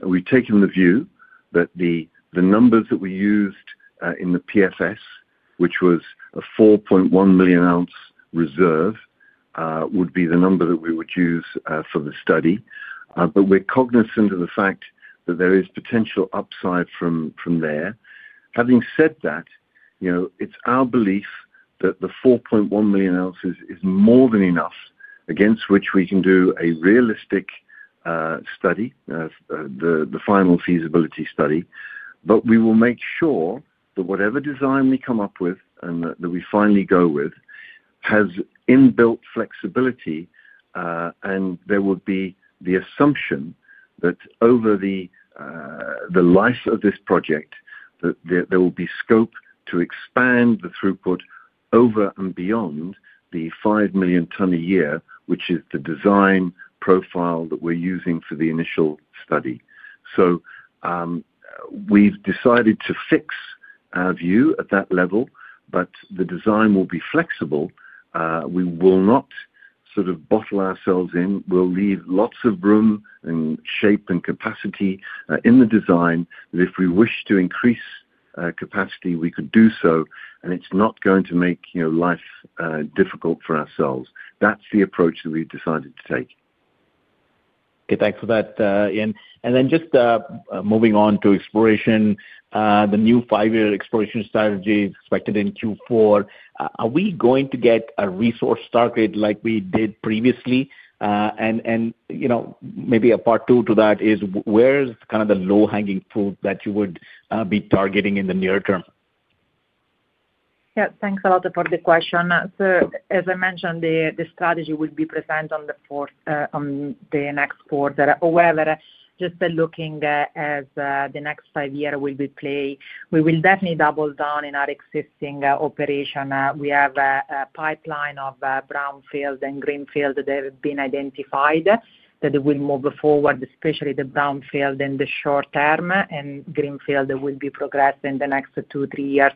view that the numbers that we used in the PFS, which was a 4.1 million ounce reserve, would be the number that we would use for the study. We're cognizant of the fact that there is potential upside from there. Having said that, it's our belief that the 4.1 million ounces is more than enough against which we can do a realistic study, the final feasibility study. We will make sure that whatever design we come up with and that we finally go with has inbuilt flexibility, and there will be the assumption that over the life of this project, there will be scope to expand the throughput over and beyond the five million tonne a year, which is the design profile that we're using for the initial study. We have decided to fix our view at that level, but the design will be flexible. We will not sort of bottle ourselves in. We will leave lots of room and shape and capacity in the design. If we wish to increase capacity, we could do so. It is not going to make life difficult for ourselves. That is the approach that we have decided to take. Okay, thanks for that, Ian. Just moving on to exploration, the new five-year exploration strategy is expected in Q4. Are we going to get a resource target like we did previously? Maybe a part two to that is, where's kind of the low-hanging fruit that you would be targeting in the near term? Yep, thanks a lot for the question. As I mentioned, the strategy will be present on the next quarter. However, just looking at the next five years, we will definitely double down in our existing operation. We have a pipeline of brownfield and greenfield that have been identified that will move forward, especially the brownfield in the short term, and greenfield that will be progressed in the next two, three years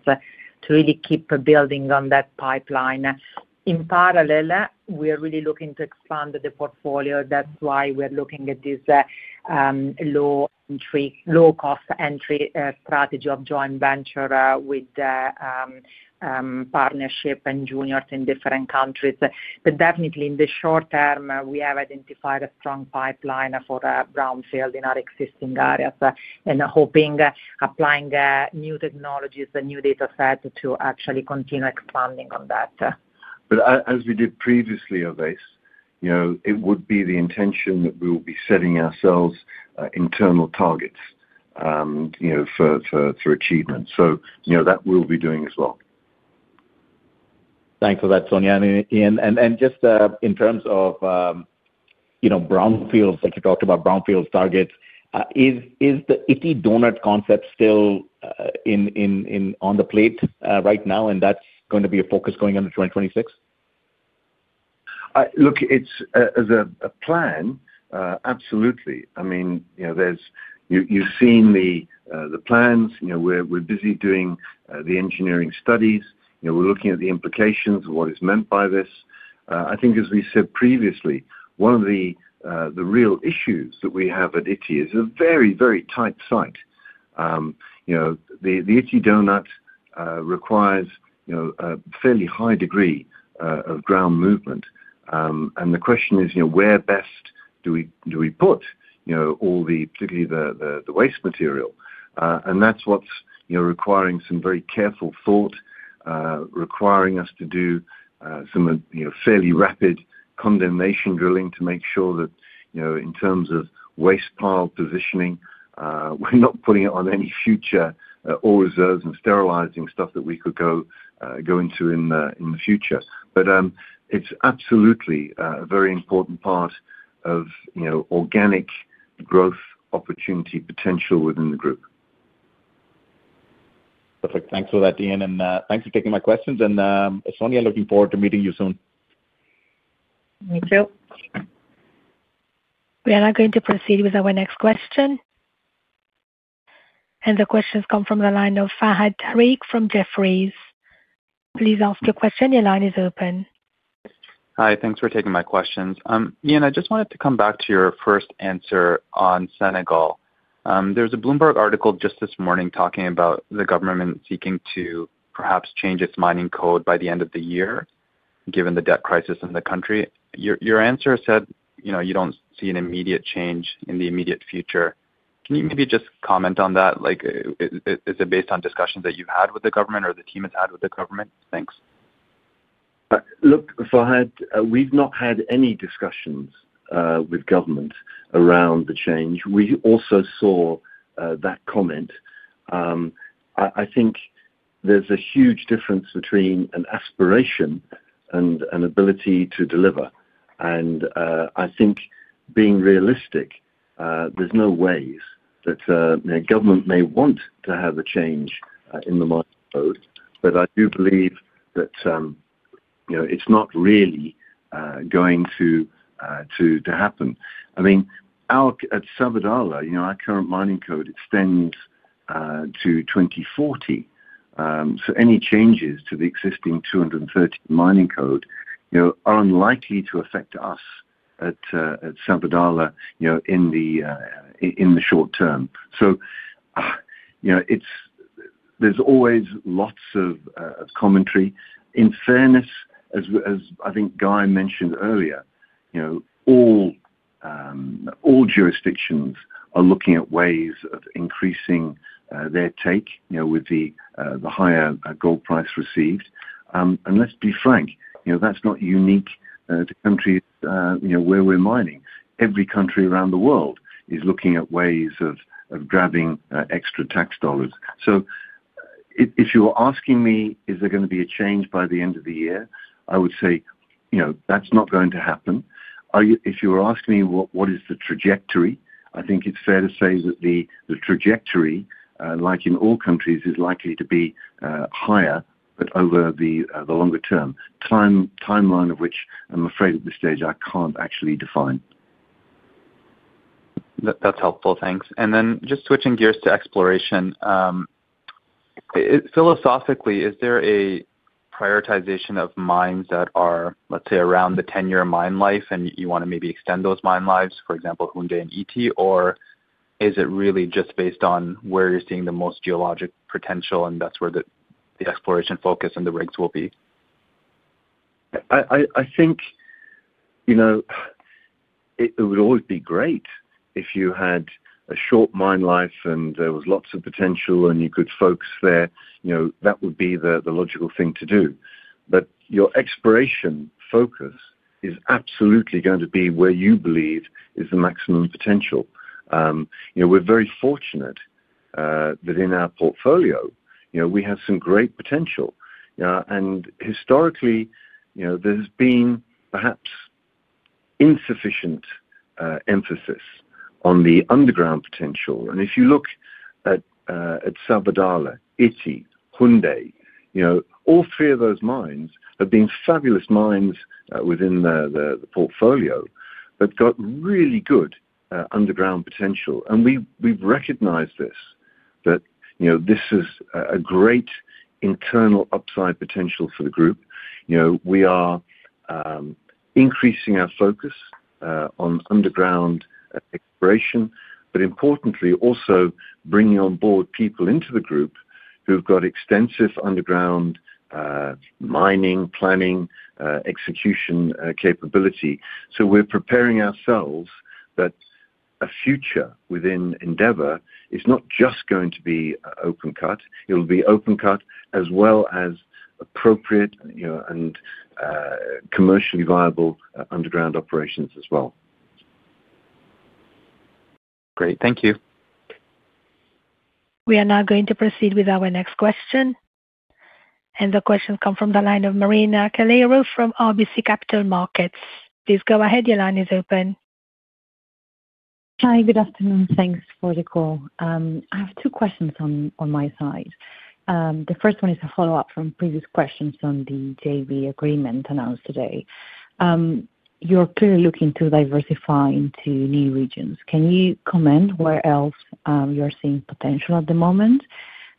to really keep building on that pipeline. In parallel, we are really looking to expand the portfolio. That is why we are looking at this low-cost entry strategy of joint venture with partnership and juniors in different countries. Definitely, in the short term, we have identified a strong pipeline for brownfield in our existing areas and hoping, applying new technologies, new data sets to actually continue expanding on that. As we did previously, Uvais, it would be the intention that we will be setting ourselves internal targets for achievement. So that we'll be doing as well. Thanks for that, Sonia and Ian. And just in terms of brownfields, like you talked about brownfields targets, is the Ity donut concept still on the plate right now? And that's going to be a focus going into 2026? Look, as a plan, absolutely. I mean, you've seen the plans. We're busy doing the engineering studies. We're looking at the implications of what is meant by this. I think, as we said previously, one of the real issues that we have at Ity is a very, very tight site. The Ity donut requires a fairly high degree of ground movement. The question is, where best do we put all the, particularly the waste material? That's what's requiring some very careful thought, requiring us to do some fairly rapid condensation drilling to make sure that, in terms of waste pile positioning, we're not putting it on any future ore reserves and sterilizing stuff that we could go into in the future. It's absolutely a very important part of organic growth opportunity potential within the group. Perfect. Thanks for that, Ian. Thanks for taking my questions. Sonia, looking forward to meeting you soon. Me too. We are now going to proceed with our next question. The questions come from the line of Farhad Tariq from Jefferies. Please ask your question. Your line is open. Hi, thanks for taking my questions. Ian, I just wanted to come back to your first answer on Senegal. There was a Bloomberg article just this morning talking about the government seeking to perhaps change its mining code by the end of the year, given the debt crisis in the country. Your answer said you don't see an immediate change in the immediate future. Can you maybe just comment on that? Is it based on discussions that you've had with the government or the team has had with the government? Thanks. Look, Farhad, we've not had any discussions with government around the change. We also saw that comment. I think there's a huge difference between an aspiration and an ability to deliver. I think, being realistic, there's no way that government may want to have a change in the mining code. I do believe that it's not really going to happen. I mean, at Sabodala-Massawa, our current mining code extends to 2040. Any changes to the existing 2016 mining code are unlikely to affect us at Sabodala-Massawa in the short term. There's always lots of commentary. In fairness, as I think Guy mentioned earlier, all jurisdictions are looking at ways of increasing their take with the higher gold price received. Let's be frank, that's not unique to countries where we're mining. Every country around the world is looking at ways of grabbing extra tax dollars. If you were asking me, is there going to be a change by the end of the year, I would say that's not going to happen. If you were asking me what is the trajectory, I think it's fair to say that the trajectory, like in all countries, is likely to be higher, but over the longer term. Timeline of which, I'm afraid at this stage, I can't actually define. That's helpful. Thanks. Just switching gears to exploration, philosophically, is there a prioritization of mines that are, let's say, around the 10-year mine life and you want to maybe extend those mine lives, for example, Houndé and Ity, or is it really just based on where you're seeing the most geologic potential and that's where the exploration focus and the rigs will be? I think it would always be great if you had a short mine life and there was lots of potential and you could focus there. That would be the logical thing to do. Your exploration focus is absolutely going to be where you believe is the maximum potential. We're very fortunate that in our portfolio, we have some great potential. Historically, there's been perhaps insufficient emphasis on the underground potential. If you look at Sabodala-Massawa, Ity, Houndé, all three of those mines have been fabulous mines within the portfolio that have really good underground potential. We've recognized this, that this is a great internal upside potential for the group. We are increasing our focus on underground exploration, but importantly, also bringing on board people into the group who've got extensive underground mining, planning, execution capability. We're preparing ourselves that a future within Endeavour is not just going to be open cut. It'll be open cut as well as appropriate and commercially viable underground operations as well. Great. Thank you. We are now going to proceed with our next question. The questions come from the line of Marina Calero from RBC Capital Markets. Please go ahead. Your line is open. Hi, good afternoon. Thanks for the call. I have two questions on my side. The first one is a follow-up from previous questions on the JV agreement announced today. You're clearly looking to diversify into new regions. Can you comment where else you're seeing potential at the moment?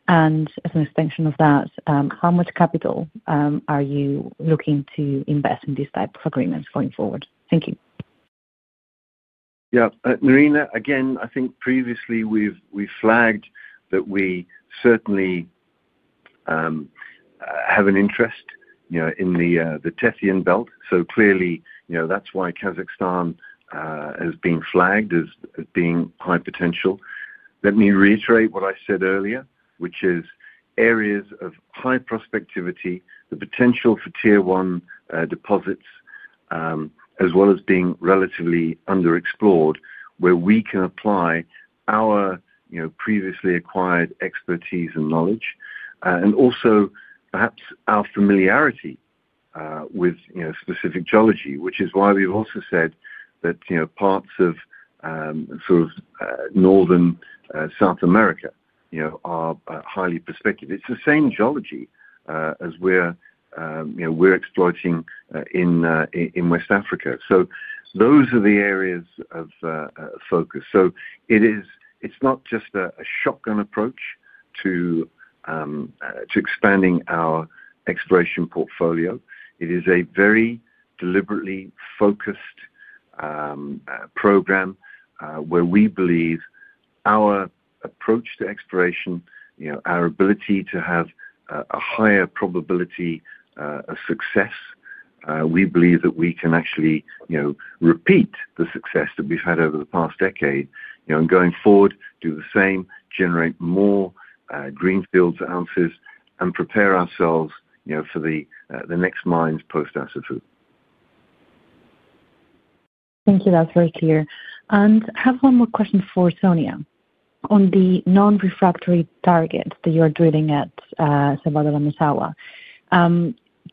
As an extension of that, how much capital are you looking to invest in these types of agreements going forward? Thank you. Yeah. Marina, again, I think previously we've flagged that we certainly have an interest in the Tethyan Belt. Clearly, that's why Kazakhstan has been flagged as being high potential. Let me reiterate what I said earlier, which is areas of high prospectivity, the potential for tier one deposits, as well as being relatively underexplored, where we can apply our previously acquired expertise and knowledge, and also perhaps our familiarity with specific geology, which is why we've also said that parts of sort of northern South America are highly prospective. It's the same geology as we're exploiting in West Africa. Those are the areas of focus. It's not just a shotgun approach to expanding our exploration portfolio. It is a very deliberately focused program where we believe our approach to exploration, our ability to have a higher probability of success, we believe that we can actually repeat the success that we've had over the past decade and going forward do the same, generate more greenfield ounces and prepare ourselves for the next mines post-Asafu. Thank you. That is very clear. I have one more question for Sonia. On the non-refractory target that you are drilling at Sabodala-Massawa,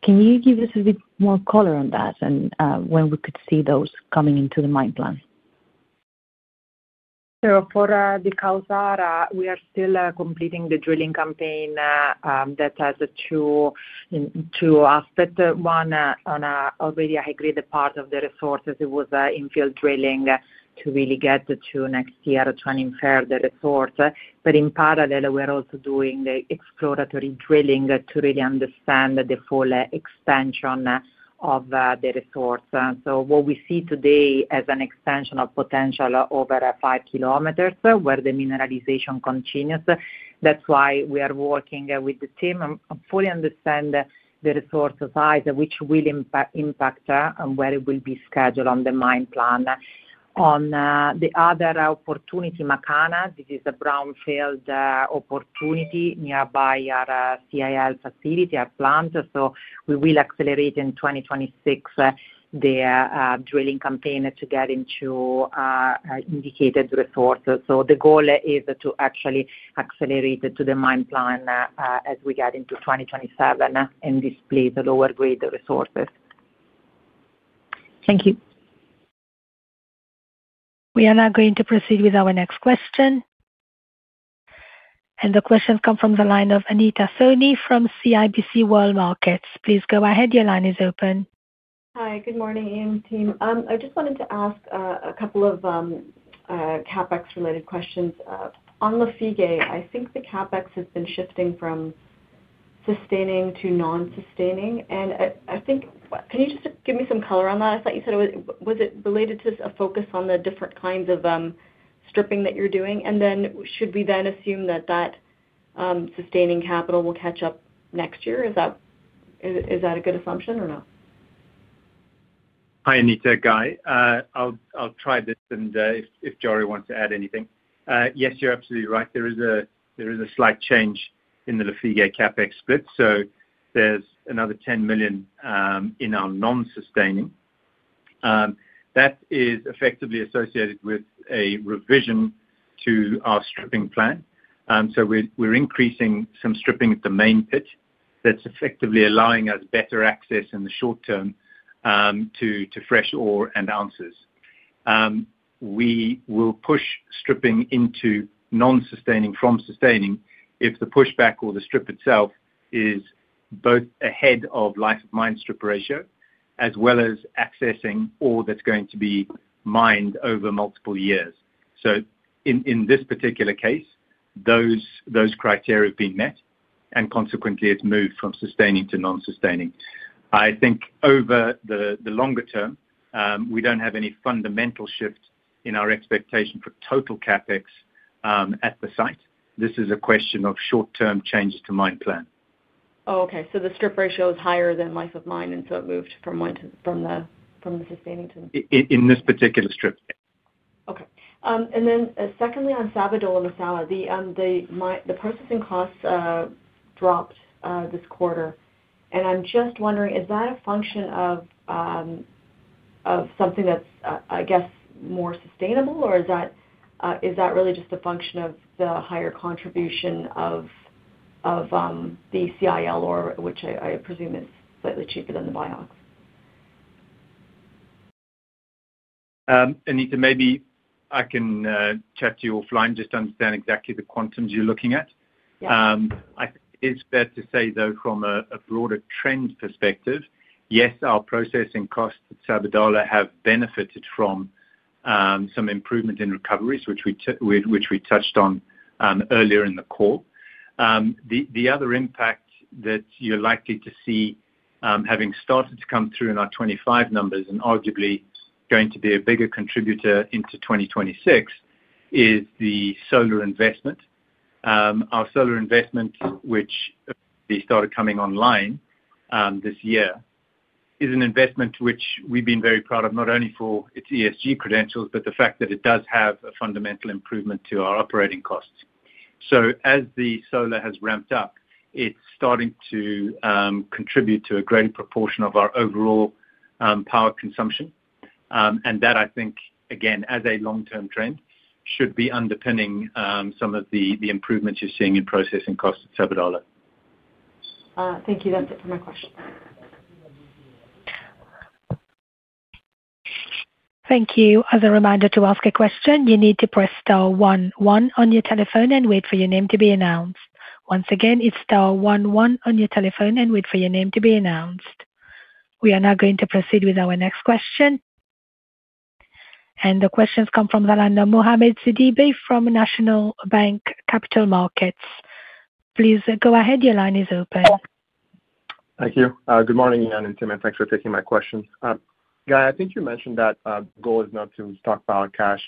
can you give us a bit more color on that and when we could see those coming into the mine plan? For the Kalsara, we are still completing the drilling campaign that has two aspects. One, on already a high-grade part of the resources, it was infill drilling to really get the two next year to uninfer the resource. In parallel, we are also doing the exploratory drilling to really understand the full extension of the resource. What we see today is an extension of potential over 5 km where the mineralisation continues. That is why we are working with the team to fully understand the resource size, which will impact where it will be scheduled on the mine plan. On the other opportunity, Makana, this is a brownfield opportunity nearby our CIL facility, our plant. We will accelerate in 2026 the drilling campaign to get into indicated resources. The goal is to actually accelerate to the mine plan as we get into 2027 and display the lower-grade resources. Thank you. We are now going to proceed with our next question. The questions come from the line of Anita Soni from CIBC World Markets. Please go ahead. Your line is open. Hi, good morning, Ian, team. I just wanted to ask a couple of CapEx-related questions. On Lafigué, I think the CapEx has been shifting from sustaining to non-sustaining. I think, can you just give me some color on that? I thought you said it was related to a focus on the different kinds of stripping that you're doing. Should we then assume that that sustaining capital will catch up next year? Is that a good assumption or not? Hi, Anita, Guy. I'll try this and if Jory wants to add anything. Yes, you're absolutely right. There is a slight change in the Lafigué CapEx split. So there's another 10 million in our non-sustaining. That is effectively associated with a revision to our stripping plan. So we're increasing some stripping at the main pit that's effectively allowing us better access in the short term to fresh ore and ounces. We will push stripping into non-sustaining from sustaining if the pushback or the strip itself is both ahead of life of mine strip ratio as well as accessing ore that's going to be mined over multiple years. In this particular case, those criteria have been met and consequently it's moved from sustaining to non-sustaining. I think over the longer term, we don't have any fundamental shift in our expectation for total CapEx at the site. This is a question of short-term changes to mine plan. Oh, okay. So the strip ratio is higher than life of mine, and so it moved from the sustaining to. In this particular strip. Okay. And then secondly, on Sabodala-Massawa, the processing costs dropped this quarter. I'm just wondering, is that a function of something that's, I guess, more sustainable, or is that really just a function of the higher contribution of the CIL ore, which I presume is slightly cheaper than the BioX? Anita, maybe I can chat to you offline, just understand exactly the quantums you're looking at. I think it is fair to say, though, from a broader trend perspective, yes, our processing costs at Sabodala-Massawa have benefited from some improvement in recoveries, which we touched on earlier in the call. The other impact that you're likely to see having started to come through in our 2025 numbers and arguably going to be a bigger contributor into 2026 is the solar investment. Our solar investment, which started coming online this year, is an investment which we've been very proud of, not only for its ESG credentials, but the fact that it does have a fundamental improvement to our operating costs. As the solar has ramped up, it's starting to contribute to a greater proportion of our overall power consumption. I think, again, as a long-term trend, should be underpinning some of the improvements you're seeing in processing costs at Sabodala. Thank you. That's it for my question. Thank you. As a reminder to ask a question, you need to press star 11 on your telephone and wait for your name to be announced. Once again, it is star 11 on your telephone and wait for your name to be announced. We are now going to proceed with our next question. The questions come from Zalinda Mohamed Sidibe from National Bank Capital Markets. Please go ahead. Your line is open. Thank you. Good morning, Ian and Tim, and thanks for taking my questions. Guy, I think you mentioned that the goal is not to stockpile cash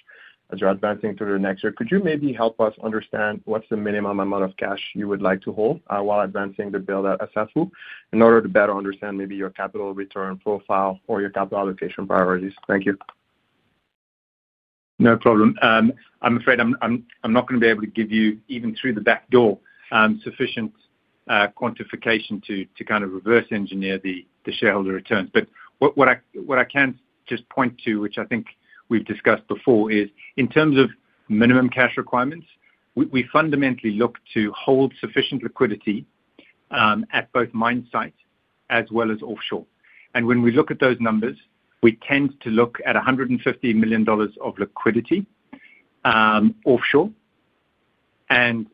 as you're advancing through the next year. Could you maybe help us understand what's the minimum amount of cash you would like to hold while advancing the build-out assessment in order to better understand maybe your capital return profile or your capital allocation priorities? Thank you. No problem. I'm afraid I'm not going to be able to give you, even through the back door, sufficient quantification to kind of reverse engineer the shareholder returns. What I can just point to, which I think we've discussed before, is in terms of minimum cash requirements, we fundamentally look to hold sufficient liquidity at both mine sites as well as offshore. When we look at those numbers, we tend to look at GBP 150 million of liquidity offshore.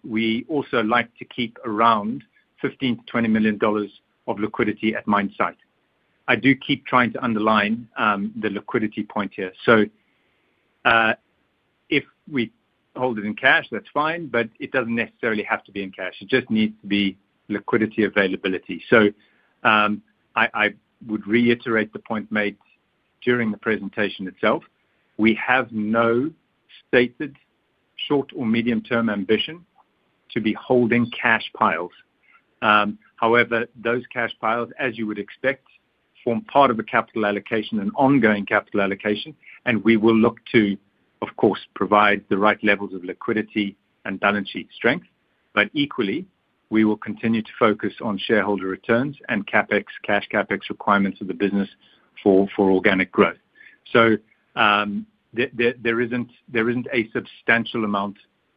We also like to keep around GBP 15 million-GBP 20 million of liquidity at mine site. I do keep trying to underline the liquidity point here. If we hold it in cash, that's fine, but it does not necessarily have to be in cash. It just needs to be liquidity availability. I would reiterate the point made during the presentation itself. We have no stated short or medium-term ambition to be holding cash piles. However, those cash piles, as you would expect, form part of a capital allocation and ongoing capital allocation. We will look to, of course, provide the right levels of liquidity and balance sheet strength. Equally, we will continue to focus on shareholder returns and cash CapEx requirements of the business for organic growth. There is not a substantial amount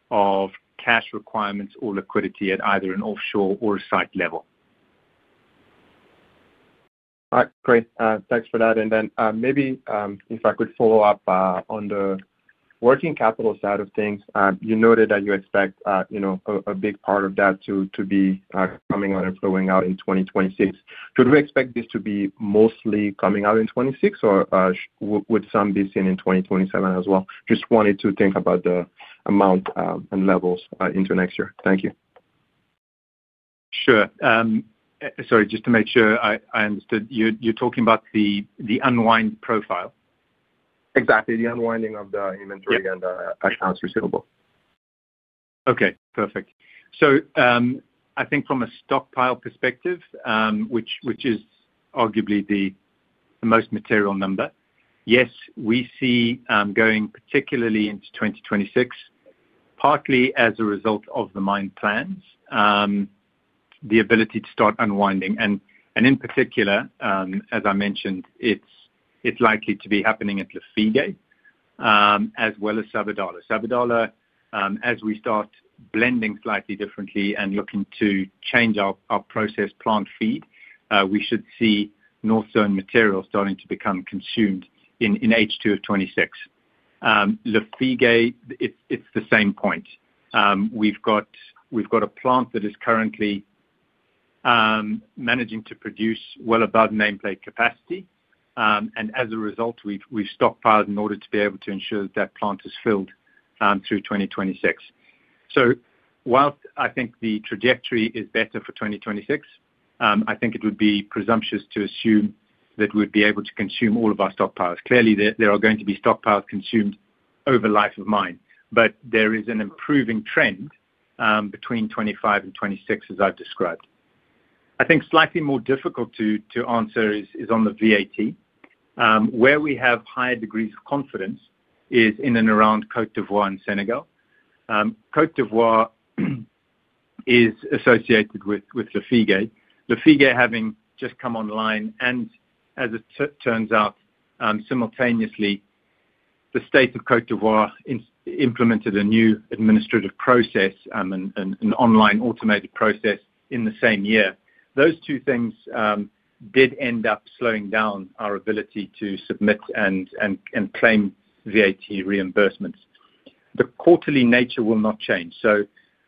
of cash requirements or liquidity at either an offshore or a site level. All right. Great. Thanks for that. Maybe if I could follow up on the working capital side of things, you noted that you expect a big part of that to be coming out and flowing out in 2026. Could we expect this to be mostly coming out in 2026, or would some be seen in 2027 as well? Just wanted to think about the amount and levels into next year. Thank you. Sure. Sorry, just to make sure I understood. You're talking about the unwind profile? Exactly. The unwinding of the inventory and accounts receivable. Okay. Perfect. I think from a stockpile perspective, which is arguably the most material number, yes, we see going particularly into 2026, partly as a result of the mine plans, the ability to start unwinding. In particular, as I mentioned, it's likely to be happening at Lafigué as well as Sabodala-Massawa. Sabodala-Massawa, as we start blending slightly differently and looking to change our process plant feed, we should see North Zone material starting to become consumed in H2 of 2026. Lafigué, it's the same point. We've got a plant that is currently managing to produce well above nameplate capacity. As a result, we've stockpiled in order to be able to ensure that that plant is filled through 2026. While I think the trajectory is better for 2026, I think it would be presumptuous to assume that we'd be able to consume all of our stockpiles. Clearly, there are going to be stockpiles consumed over life of mine, but there is an improving trend between 2025 and 2026, as I've described. I think slightly more difficult to answer is on the VAT. Where we have higher degrees of confidence is in and around Côte d'Ivoire and Senegal. Côte d'Ivoire is associated with Lafigué. Lafigué having just come online and, as it turns out, simultaneously, the state of Côte d'Ivoire implemented a new administrative process, an online automated process in the same year. Those two things did end up slowing down our ability to submit and claim VAT reimbursements. The quarterly nature will not change.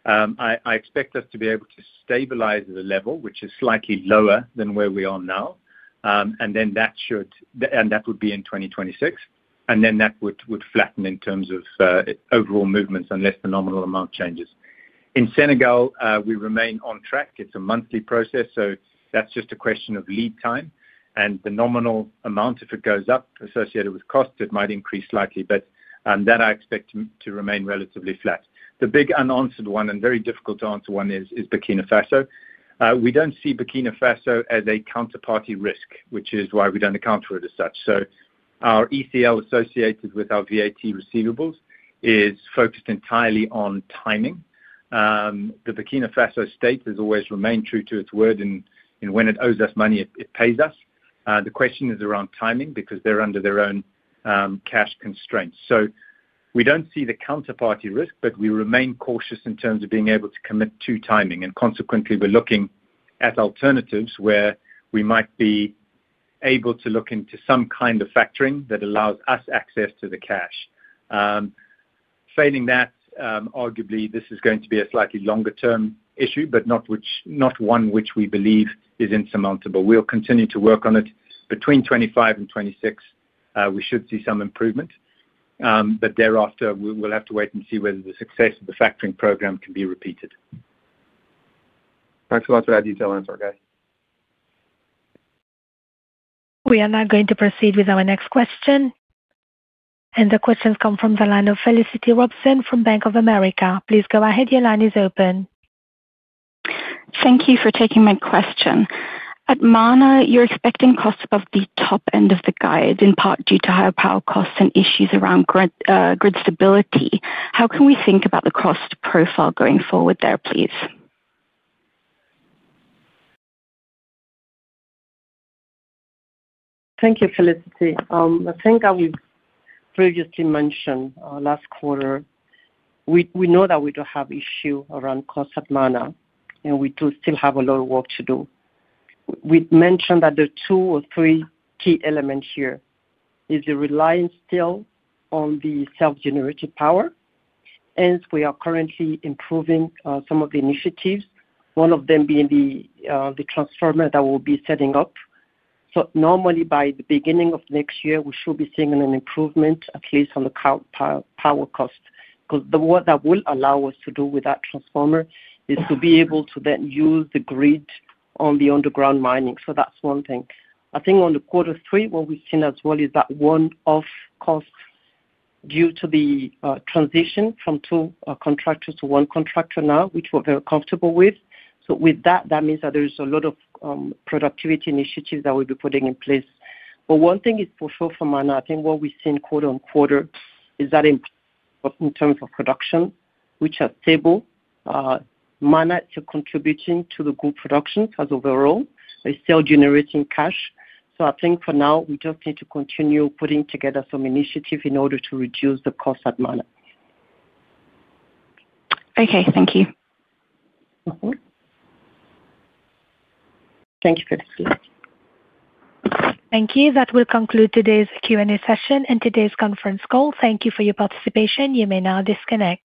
I expect us to be able to stabilize at a level which is slightly lower than where we are now. That should, and that would be in 2026. That would flatten in terms of overall movements unless the nominal amount changes. In Senegal, we remain on track. It is a monthly process. That is just a question of lead time. The nominal amount, if it goes up associated with cost, it might increase slightly, but that I expect to remain relatively flat. The big unanswered one and very difficult to answer one is Burkina Faso. We do not see Burkina Faso as a counterparty risk, which is why we do not account for it as such. Our ECL associated with our VAT receivables is focused entirely on timing. The Burkina Faso state has always remained true to its word, and when it owes us money, it pays us. The question is around timing because they're under their own cash constraints. We do not see the counterparty risk, but we remain cautious in terms of being able to commit to timing. Consequently, we're looking at alternatives where we might be able to look into some kind of factoring that allows us access to the cash. Failing that, arguably, this is going to be a slightly longer-term issue, but not one which we believe is insurmountable. We'll continue to work on it. Between 2025 and 2026, we should see some improvement. Thereafter, we'll have to wait and see whether the success of the factoring program can be repeated. Thanks so much for that detailed answer, Guy. We are now going to proceed with our next question. The questions come from Zalinda Mohamed Sidibe and Felicity Robson from Bank of America. Please go ahead. Your line is open. Thank you for taking my question. At Mana, you're expecting costs above the top end of the guide, in part due to higher power costs and issues around grid stability. How can we think about the cost profile going forward there, please? Thank you, Felicity. I think, as we previously mentioned last quarter, we know that we do have issues around costs at Mana, and we do still have a lot of work to do. We mentioned that the two or three key elements here are the reliance still on the self-generated power. Hence, we are currently improving some of the initiatives, one of them being the transformer that we will be setting up. Normally, by the beginning of next year, we should be seeing an improvement, at least on the power cost, because what that will allow us to do with that transformer is to be able to then use the grid on the underground mining. That is one thing. I think in quarter three, what we've seen as well is that one-off cost due to the transition from two contractors to one contractor now, which we're very comfortable with. That means that there is a lot of productivity initiatives that we'll be putting in place. One thing is for sure for Mana, I think what we've seen quarter on quarter is that in terms of production, which are stable, Mana is still contributing to the good productions as overall. It's still generating cash. I think for now, we just need to continue putting together some initiatives in order to reduce the costs at Mana. Okay. Thank you. Thank you, Felicity. Thank you. That will conclude today's Q&A session and today's conference call. Thank you for your participation. You may now disconnect.